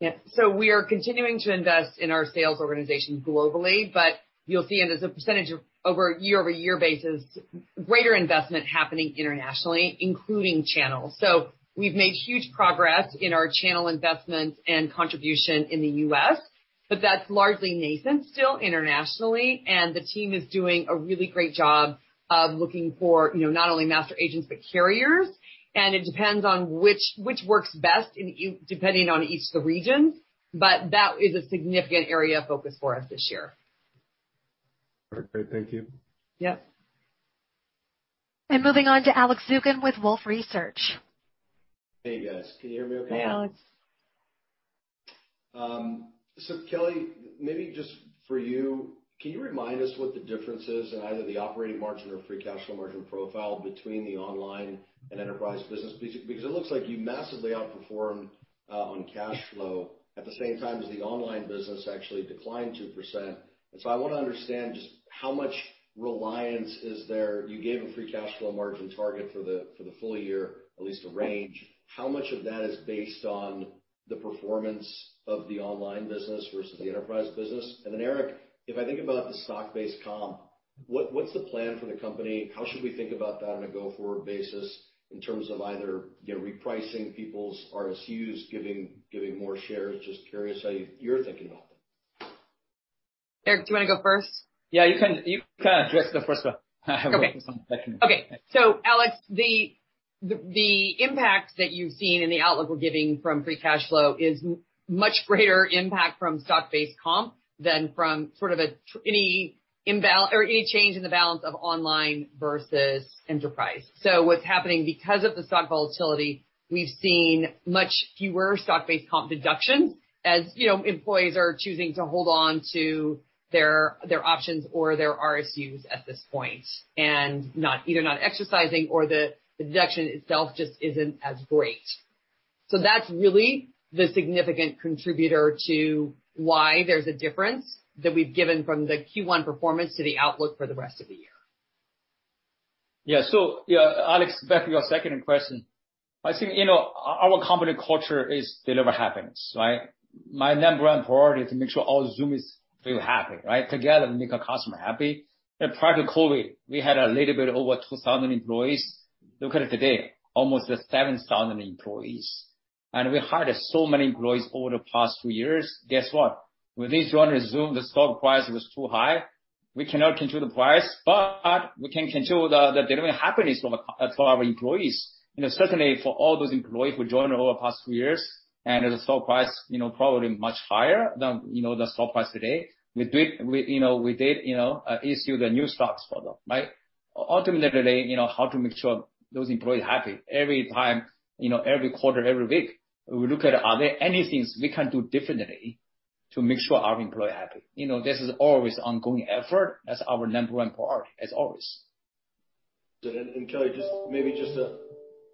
Yeah. We are continuing to invest in our sales organization globally, but you'll see as a percentage of over a year-over-year basis, greater investment happening internationally, including channels. We've made huge progress in our channel investments and contribution in the U.S., but that's largely nascent still internationally, and the team is doing a really great job of looking for, you know, not only master agents, but carriers, and it depends on which works best in, depending on each of the regions. That is a significant area of focus for us this year. Perfect. Thank you. Yep. Moving on to Alex Zukin with Wolfe Research. Hey, guys. Can you hear me okay? Hey, Alex. Kelly, maybe just for you, can you remind us what the difference is in either the operating margin or free cash flow margin profile between the online and enterprise business? Because it looks like you massively outperformed on cash flow at the same time as the online business actually declined 2%. I wanna understand just how much reliance is there. You gave a free cash flow margin target for the full year, at least a range. How much of that is based on the performance of the online business versus the enterprise business? Eric, if I think about the stock-based comp, what's the plan for the company? How should we think about that on a go-forward basis in terms of either, you know, repricing people's RSUs, giving more shares? Just curious how you're thinking about that. Eric, do you wanna go first? Yeah, you can address the first one. Okay. Alex, the impact that you've seen in the outlook we're giving from free cash flow is much greater impact from stock-based comp than from sort of any change in the balance of online versus enterprise. What's happening because of the stock volatility, we've seen much fewer stock-based comp deductions, as you know, employees are choosing to hold on to their options or their RSUs at this point and not exercising or the deduction itself just isn't as great. That's really the significant contributor to why there's a difference that we've given from the Q1 performance to the outlook for the rest of the year. Yeah. Yeah, Alex, back to your second question. I think, you know, our company culture is deliver happiness, right? My number one priority is to make sure all Zoomies feel happy, right? Together we make our customer happy. Prior to COVID, we had a little bit over 2,000 employees. Look at it today, almost at 7,000 employees. We hired so many employees over the past two years. Guess what? When they joined Zoom, the stock price was too high. We cannot control the price, but we can control the delivery happiness for our employees, you know, certainly for all those employees who joined over the past two years and the stock price, you know, probably much higher than, you know, the stock price today. We did, you know, issue the new stocks for them, right? Ultimately, you know how to make sure those employees are happy every time, you know, every quarter, every week, we look at are there any things we can do differently to make sure our employee happy. You know, this is always ongoing effort. That's our number one priority as always. Kelly, just maybe to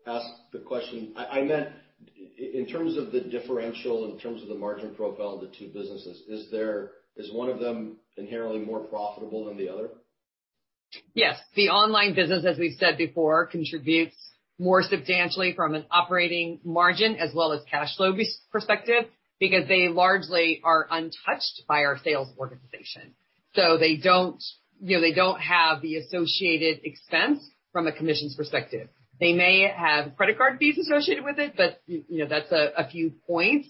ask the question. I meant in terms of the differential the margin profile of the two businesses, is one of them inherently more profitable than the other? Yes. The online business, as we've said before, contributes more substantially from an operating margin as well as cash flow perspective because they largely are untouched by our sales organization. They don't, you know, have the associated expense from a commissions perspective. They may have credit card fees associated with it, but you know, that's a few points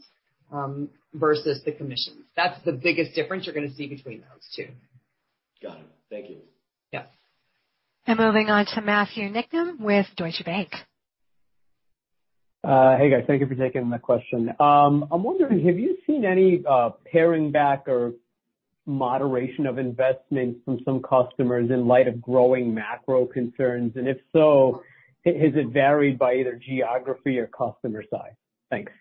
versus the commissions. That's the biggest difference you're gonna see between those two. Got it. Thank you. Yeah. Moving on to Matthew Niknam with Deutsche Bank. Hey, guys. Thank you for taking my question. I'm wondering, have you seen any paring back or moderation of investments from some customers in light of growing macro concerns? If so, has it varied by either geography or customer size? Thanks.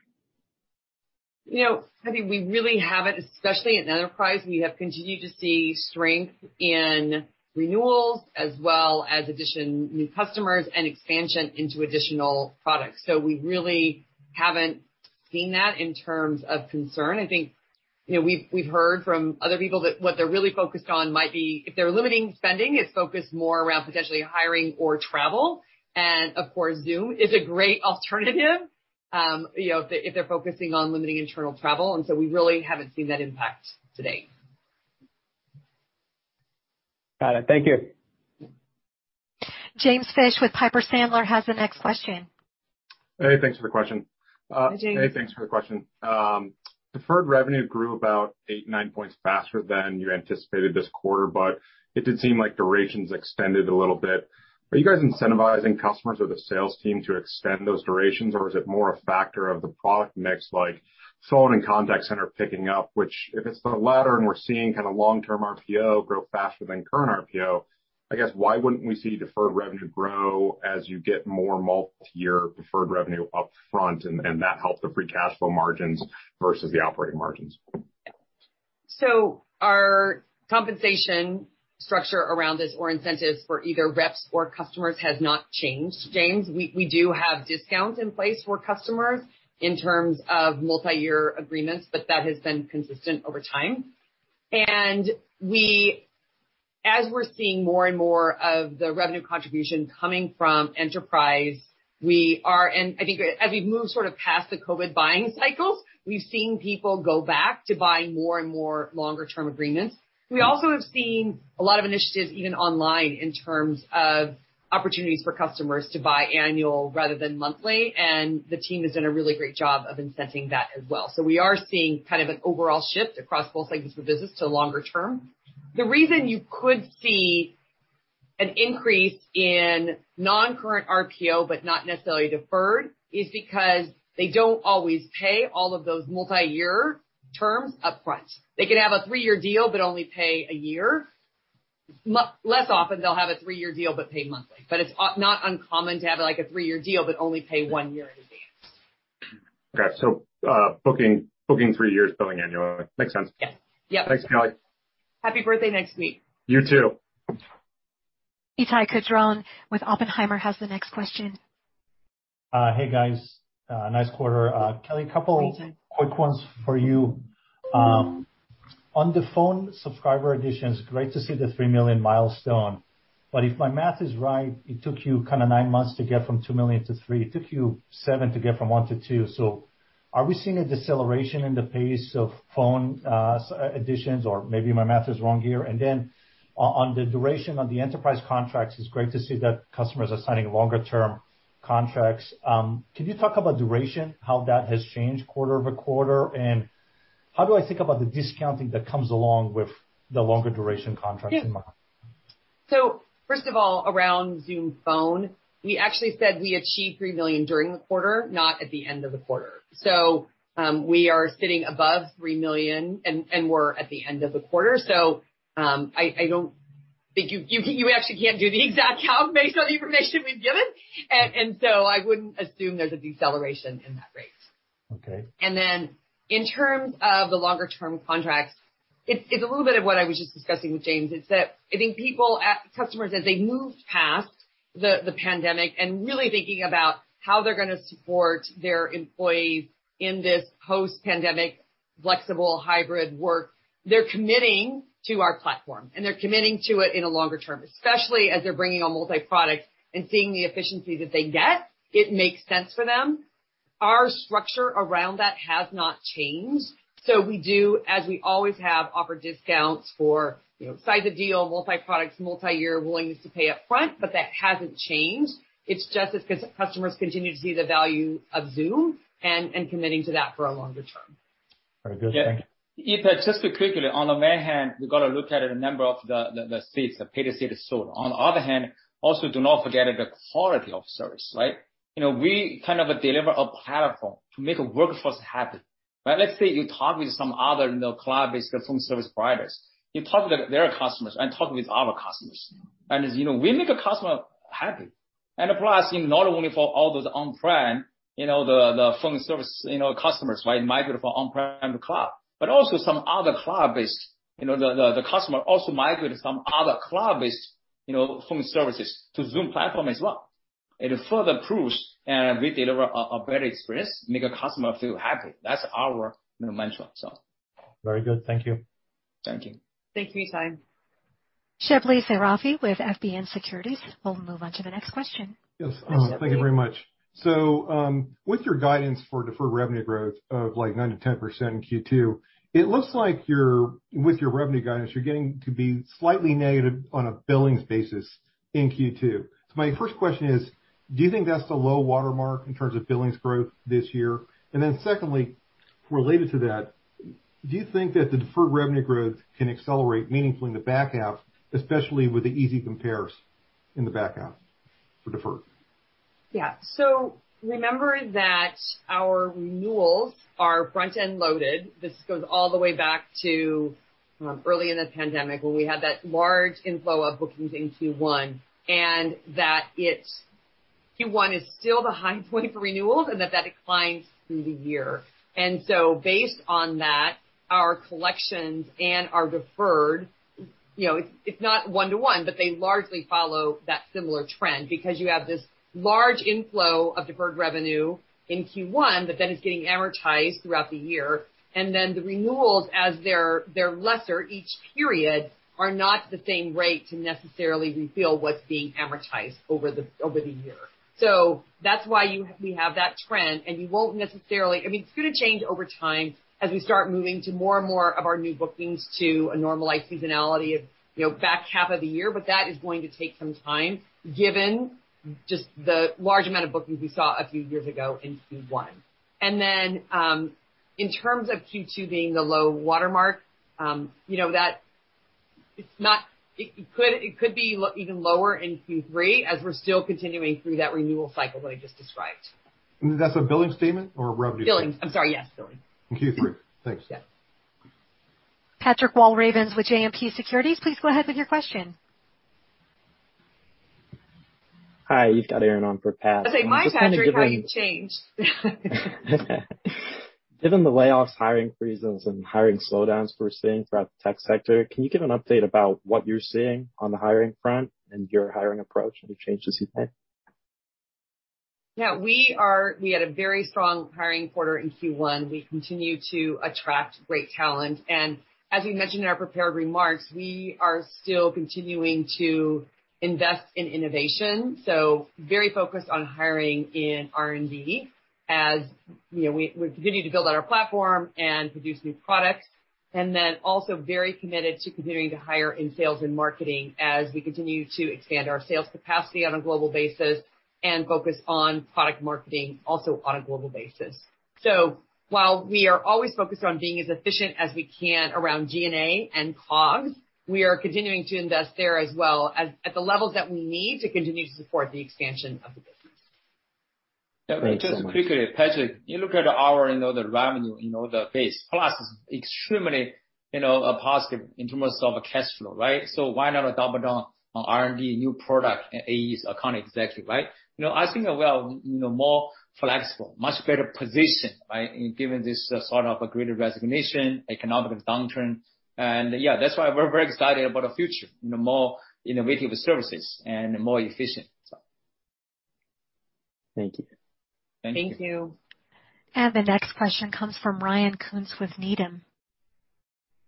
You know, I think we really haven't, especially in enterprise, we have continued to see strength in renewals as well as adding new customers and expansion into additional products. We really haven't seen that in terms of concern. I think, you know, we've heard from other people that what they're really focused on might be if they're limiting spending, it's focused more around potentially hiring or travel. Of course, Zoom is a great alternative, you know, if they're focusing on limiting internal travel, we really haven't seen that impact to date. Got it. Thank you. James Fish with Piper Sandler has the next question. Hey, thanks for the question. Hi, James. Hey, thanks for the question. Deferred revenue grew about 8-9 points faster than you anticipated this quarter, but it did seem like duration's extended a little bit. Are you guys incentivizing customers or the sales team to extend those durations, or is it more a factor of the product mix, like phone and contact center picking up, which if it's the latter and we're seeing kind of long-term RPO grow faster than current RPO, I guess why wouldn't we see deferred revenue grow as you get more multi-year deferred revenue up front and that helps the free cash flow margins versus the operating margins? Our compensation structure around this or incentives for either reps or customers has not changed, James. We do have discounts in place for customers in terms of multi-year agreements, but that has been consistent over time. We, as we're seeing more and more of the revenue contribution coming from enterprise, we are and I think as we've moved sort of past the COVID buying cycles, we've seen people go back to buying more and more longer term agreements. We also have seen a lot of initiatives, even online, in terms of opportunities for customers to buy annual rather than monthly, and the team has done a really great job of incenting that as well. We are seeing kind of an overall shift across both segments of the business to longer term. The reason you could see an increase in non-current RPO, but not necessarily deferred, is because they don't always pay all of those multi-year terms upfront. They could have a three-year deal but only pay a year. Less often they'll have a three-year deal but pay monthly. It's not uncommon to have, like a three-year deal but only pay one year in advance. Got it. Booking three years, billing annually. Makes sense. Yeah. Yeah. Thanks, Kelly. Happy birthday next week. You too. Itai Kidron with Oppenheimer has the next question. Hey, guys. Nice quarter. Kelly, a couple. Thanks, Itai. Quick ones for you. On the phone subscriber additions, great to see the three million milestone, but if my math is right, it took you kinda nine months to get from 2 million-3 million. It took you seven months to get from 1 million-2 million. Are we seeing a deceleration in the pace of phone additions, or maybe my math is wrong here? On the duration on the enterprise contracts, it's great to see that customers are signing longer term contracts. Can you talk about duration, how that has changed quarter-over-quarter? How do I think about the discounting that comes along with the longer duration contracts in mind? Yeah. First of all, around Zoom Phone, we actually said we achieved three million during the quarter, not at the end of the quarter. We are sitting above three million and we're at the end of the quarter. I don't think you actually can't do the exact count based on the information we've given. I wouldn't assume there's a deceleration in that rate. Okay. Then in terms of the longer term contracts, it's a little bit of what I was just discussing with James, is that I think customers, as they move past the pandemic and really thinking about how they're gonna support their employees in this post-pandemic flexible hybrid work, they're committing to our platform, and they're committing to it in a longer term. Especially as they're bringing on multi-product and seeing the efficiency that they get, it makes sense for them. Our structure around that has not changed, so we do, as we always have, offer discounts for, you know, size of deal, multi-products, multi-year willingness to pay up front, but that hasn't changed. It's just as customers continue to see the value of Zoom and committing to that for a longer term. Very good. Thank you. Yeah. Itai, just to quickly, on the one hand, we've got to look at a number of the seats, the pay-per-seat is sold. On the other hand, also do not forget the quality of service, right? You know, we kind of deliver a platform to make a workforce happy, right? Let's say you talk with some other, you know, cloud-based phone service providers. You talk with their customers and talk with our customers. And as you know, we make a customer happy. And it applies, not only for all those on-prem, you know, the phone service, you know, customers might migrate from on-prem to cloud, but also some other cloud-based, you know, the customer also migrate some other cloud-based, you know, phone services to Zoom platform as well. It further proves we deliver a better experience, make a customer feel happy. That's our, you know, mantra, so. Very good. Thank you. Thank you. Thank you, Itai. Shebly Seyrafi with FBN Securities. We'll move on to the next question. Yes. Shelby. Thank you very much. With your guidance for deferred revenue growth of like 9%-10% in Q2, it looks like you're, with your revenue guidance, you're getting to be slightly negative on a billings basis in Q2. My first question is: Do you think that's the low watermark in terms of billings growth this year? Then secondly, related to that, do you think that the deferred revenue growth can accelerate meaningfully in the back half, especially with the easy compares in the back half for deferred? Yeah. Remember that our renewals are front-end loaded. This goes all the way back to early in the pandemic when we had that large inflow of bookings in Q1. Q1 is still the high point for renewals, and that declines through the year. Based on that, our collections and our deferred, it's not one-to-one, but they largely follow that similar trend because you have this large inflow of deferred revenue in Q1, but then it's getting amortized throughout the year. The renewals as they're lesser each period are not the same rate to necessarily refill what's being amortized over the year. That's why we have that trend, and you won't necessarily. I mean, it's gonna change over time as we start moving to more and more of our new bookings to a normalized seasonality of, you know, back half of the year, but that is going to take some time given just the large amount of bookings we saw a few years ago in Q1. In terms of Q2 being the low watermark, you know that it's not. It could be even lower in Q3 as we're still continuing through that renewal cycle that I just described. That's a billing statement or revenue statement? I'm sorry. Yes, billing. In Q3. Thanks. Yeah. Patrick Walravens with JMP Securities, please go ahead with your question. Hi, you've got Aaron on for Pat. I say, my Patrick, how you've changed. Given the layoffs, hiring freezes, and hiring slowdowns we're seeing throughout the tech sector, can you give an update about what you're seeing on the hiring front and your hiring approach? Any changes you've made? Yeah. We had a very strong hiring quarter in Q1. We continue to attract great talent. As we mentioned in our prepared remarks, we are still continuing to invest in innovation, so very focused on hiring in R&D as, you know, we continue to build out our platform and produce new products. Then also very committed to continuing to hire in sales and marketing as we continue to expand our sales capacity on a global basis and focus on product marketing also on a global basis. While we are always focused on being as efficient as we can around G&A and COGS, we are continuing to invest there as well as at the levels that we need to continue to support the expansion of the business. Thank you so much. Let me just quickly, Patrick, you look at our, you know, the revenue, you know, the base. Plus extremely, you know, a positive in terms of cash flow, right? So why not double down on R&D, new product, and AEs, account executive, right? You know, I think we are, you know, more flexible, much better position, right? In given this sort of a Great Resignation, economic downturn. Yeah, that's why we're very excited about the future, you know, more innovative services and more efficient, so. Thank you. Thank you. Thank you. The next question comes from Ryan Koontz with Needham.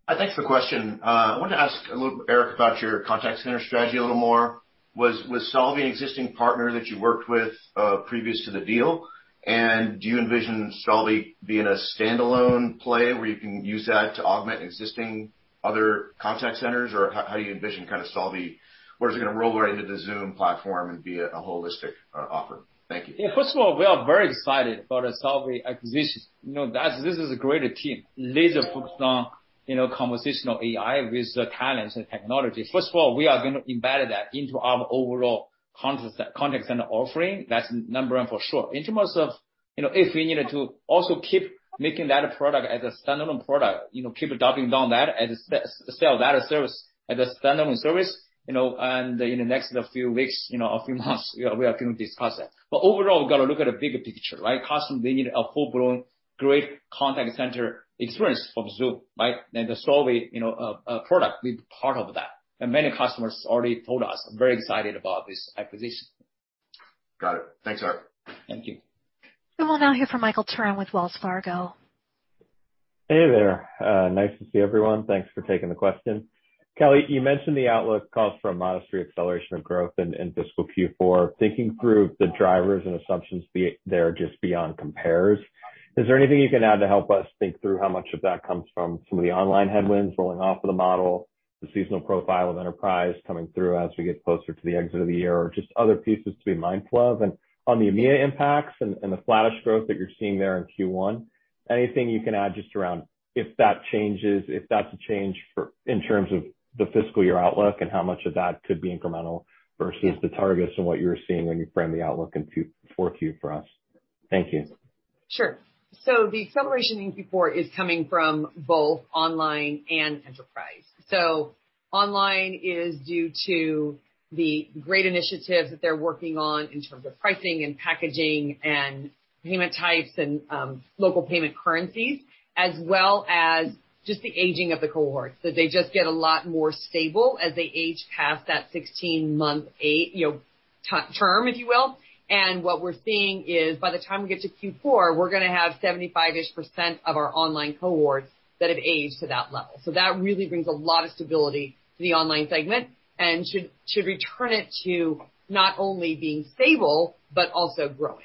Thanks for the question. I wanted to ask a little, Eric, about your contact center strategy a little more. Was Solvvy an existing partner that you worked with, previous to the deal? Do you envision Solvvy being a standalone play where you can use that to augment existing other contact centers? Or how do you envision kind of Solvvy? Or is it gonna roll right into the Zoom platform and be a holistic offer? Thank you. Yeah. First of all, we are very excited about Solvvy acquisition. You know, that's, this is a great team. Laser-focused on, you know, conversational AI with the talents and technologies. First of all, we are gonna embed that into our overall contact center offering. That's number one for sure. In terms of, you know, if we needed to also keep making that product as a standalone product, you know, keep adopting down that and sell that as service, as a standalone service, you know, and in the next few weeks, you know, a few months, we are gonna discuss that. Overall, we gotta look at the bigger picture, right? Customers, they need a full-blown great contact center experience from Zoom, right? The Solvvy, you know, product will be part of that. Many customers already told us, very excited about this acquisition. Got it. Thanks, Eric. Thank you. We will now hear from Michael Turrin with Wells Fargo. Hey there. Nice to see everyone. Thanks for taking the question. Kelly, you mentioned the outlook calls for a modest re-acceleration of growth in fiscal Q4. Thinking through the drivers and assumptions beyond that just beyond compares, is there anything you can add to help us think through how much of that comes from some of the online headwinds rolling off of the model, the seasonal profile of enterprise coming through as we get closer to the exit of the year, or just other pieces to be mindful of? On the EMEA impacts and the flattish growth that you're seeing there in Q1, anything you can add just around if that changes, if that's a change for, in terms of the fiscal year outlook and how much of that could be incremental versus the targets and what you're seeing when you frame the outlook in Q4 for us? Thank you. Sure. The acceleration in Q4 is coming from both online and enterprise. Online is due to the great initiatives that they're working on in terms of pricing and packaging and payment types and local payment currencies, as well as just the aging of the cohorts, that they just get a lot more stable as they age past that 16-month, 8-month, you know, the term, if you will. What we're seeing is by the time we get to Q4, we're gonna have 75-ish% of our online cohorts that have aged to that level. That really brings a lot of stability to the online segment and should return it to not only being stable, but also growing.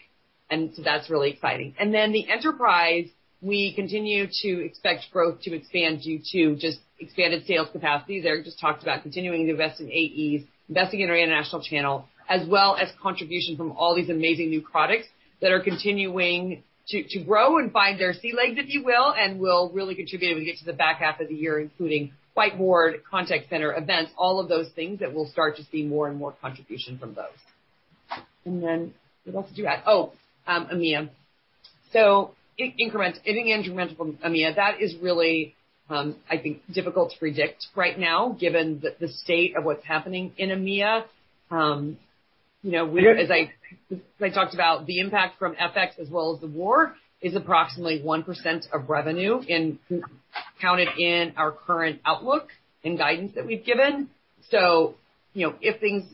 The enterprise, we continue to expect growth to expand due to just expanded sales capacity. Eric just talked about continuing to invest in AEs, investing in our international channel, as well as contribution from all these amazing new products that are continuing to grow and find their sea legs, if you will, and will really contribute when we get to the back half of the year, including Whiteboard, Contact Center, Events, all of those things that we'll start to see more and more contribution from those. What else did you add? Oh, EMEA. Increments, anything incremental from EMEA, that is really, I think, difficult to predict right now given the state of what's happening in EMEA. You know, we're, as I talked about, the impact from FX as well as the war is approximately 1% of revenue included in our current outlook and guidance that we've given. You know, if things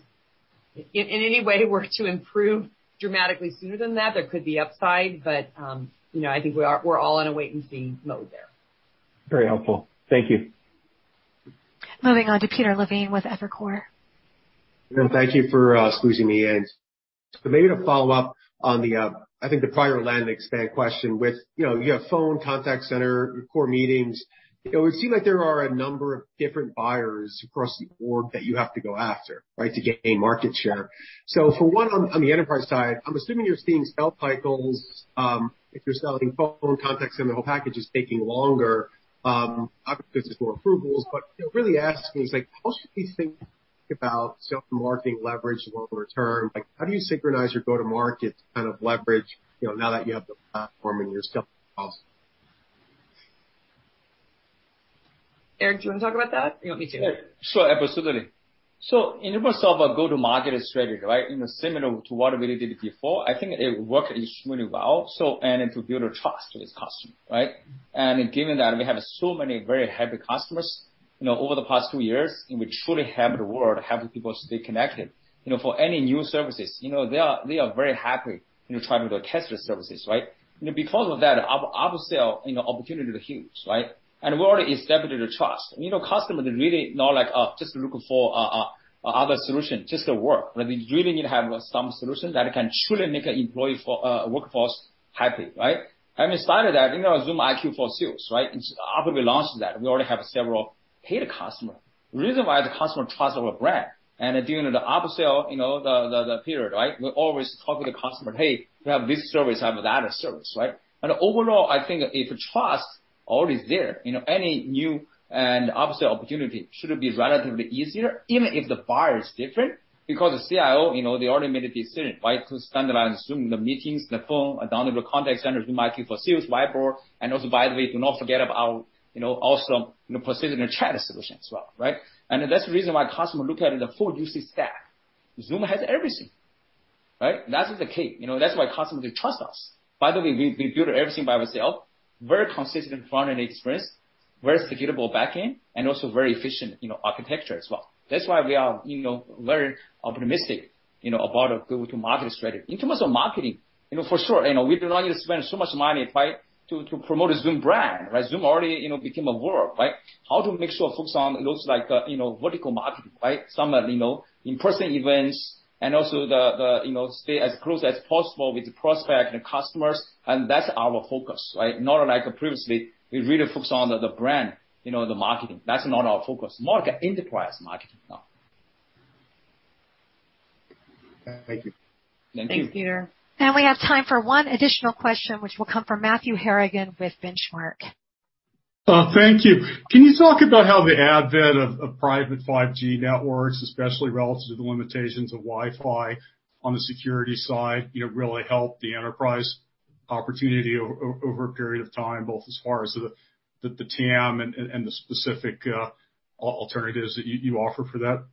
in any way were to improve dramatically sooner than that, there could be upside, but, you know, I think we're all in a wait and see mode there. Very helpful. Thank you. Moving on to Peter Levine with Evercore. Thank you for squeezing me in. Maybe to follow up on the, I think the prior land expand question with, you know, you have Phone, Contact Center, your core Meetings. It would seem like there are a number of different buyers across the org that you have to go after, right? To gain market share. For one, on the enterprise side, I'm assuming you're seeing sales cycles if you're selling Phone, Contact Center, the whole package is taking longer, obviously because there's more approvals, but really asking is like how should we think about sales and marketing leverage longer term? Like how do you synchronize your go-to-market to kind of leverage, you know, now that you have the platform and you're selling? Eric, do you wanna talk about that or you want me to? Sure, absolutely. In terms of our go-to-market strategy, right? You know, similar to what we did before, I think it worked extremely well, so, and it built trust with customers, right? Given that we have so many very happy customers, you know, over the past two years, and we truly have the world helping people stay connected. You know, for any new services, you know, they are very happy, you know, trying to test the services, right? You know, because of that, upsell, you know, opportunity is huge, right? We already established the trust. You know, customers really not like, oh, just looking for other solution just to work, but they really need to have some solution that can truly make an employee workforce happy, right? Inside of that, you know, Zoom IQ for Sales, right? After we launched that, we already have several paid customers. The reason why the customers trust our brand and during the upsell, you know, the period, right? We always talk with the customer, "Hey, we have this service, have that service," right? Overall, I think if trust already is there, you know, any new and upsell opportunity should be relatively easier, even if the buyer is different because the CIO, you know, they already made a decision, right? To standardize Zoom, the meetings, the phone, downloadable contact center, Zoom IQ for Sales, Whiteboard, and also by the way, do not forget about, you know, also, you know, presence and chat solution as well, right? That's the reason why customers look at the full UC stack. Zoom has everything, right? That's the key. You know, that's why customers, they trust us. By the way, we build everything by ourselves, very consistent front-end experience, very scalable back-end, and also very efficient, you know, architecture as well. That's why we are, you know, very optimistic, you know, about our go-to-market strategy. In terms of marketing, you know, for sure, you know, we do not need to spend so much money, right? To promote Zoom brand, right? Zoom already, you know, became a word, right? How to make sure focus on those, like, you know, vertical marketing, right? Some are, you know, in-person events and also the, you know, stay as close as possible with the prospect and customers, and that's our focus, right? Not like previously, we really focus on the brand, you know, the marketing. That's not our focus. More enterprise marketing now. Thank you. Thank you. Thanks, Peter. We have time for one additional question, which will come from Matthew Harrigan with Benchmark. Thank you. Can you talk about how the advent of private 5G networks, especially relative to the limitations of Wi-Fi on the security side, you know, really help the enterprise opportunity over a period of time, both as far as the TAM and the specific alternatives that you offer for that?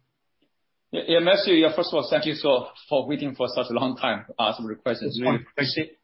Yeah, Matthew, first of all, thank you so for waiting for such a long time to ask the question. It's really appreciate.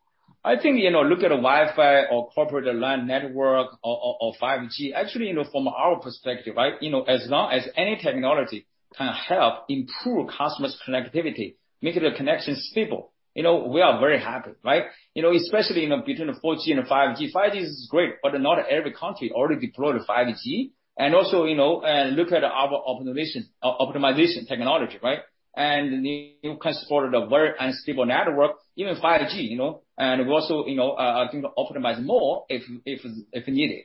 I think, you know, look at Wi-Fi or corporate LAN network or 5G, actually, you know, from our perspective, right? You know, as long as any technology can help improve customers' connectivity, make the connection stable, you know, we are very happy, right? You know, especially, you know, between the 4G and the 5G. 5G is great, but not every country already deployed 5G. Also, you know, look at our optimization technology, right? And you can support a very unstable network, even 5G, you know. Also, you know, I think optimize more if needed.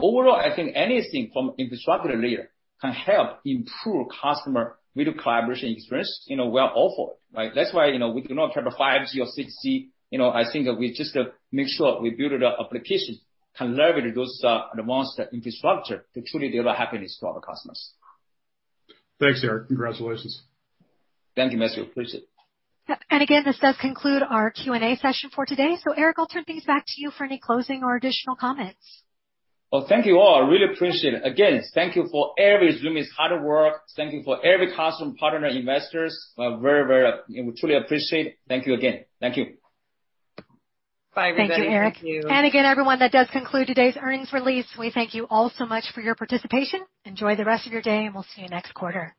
Overall, I think anything from infrastructure layer can help improve customer video collaboration experience, you know, we are all for it, right? That's why, you know, we do not have a 5G or 6G. You know, I think we just make sure we build an application, can leverage those advanced infrastructure to truly deliver happiness to our customers. Thanks, Eric. Congratulations. Thank you, Matthew. Appreciate it. Yep. Again, this does conclude our Q&A session for today. Eric, I'll turn things back to you for any closing or additional comments. Well, thank you all. Really appreciate it. Again, thank you for every Zoomie's hard work. Thank you for every customer, partner, investors. We truly appreciate it. Thank you again. Thank you. Bye everybody. Thank you. Thank you, Eric. Again, everyone, that does conclude today's earnings release. We thank you all so much for your participation. Enjoy the rest of your day, and we'll see you next quarter.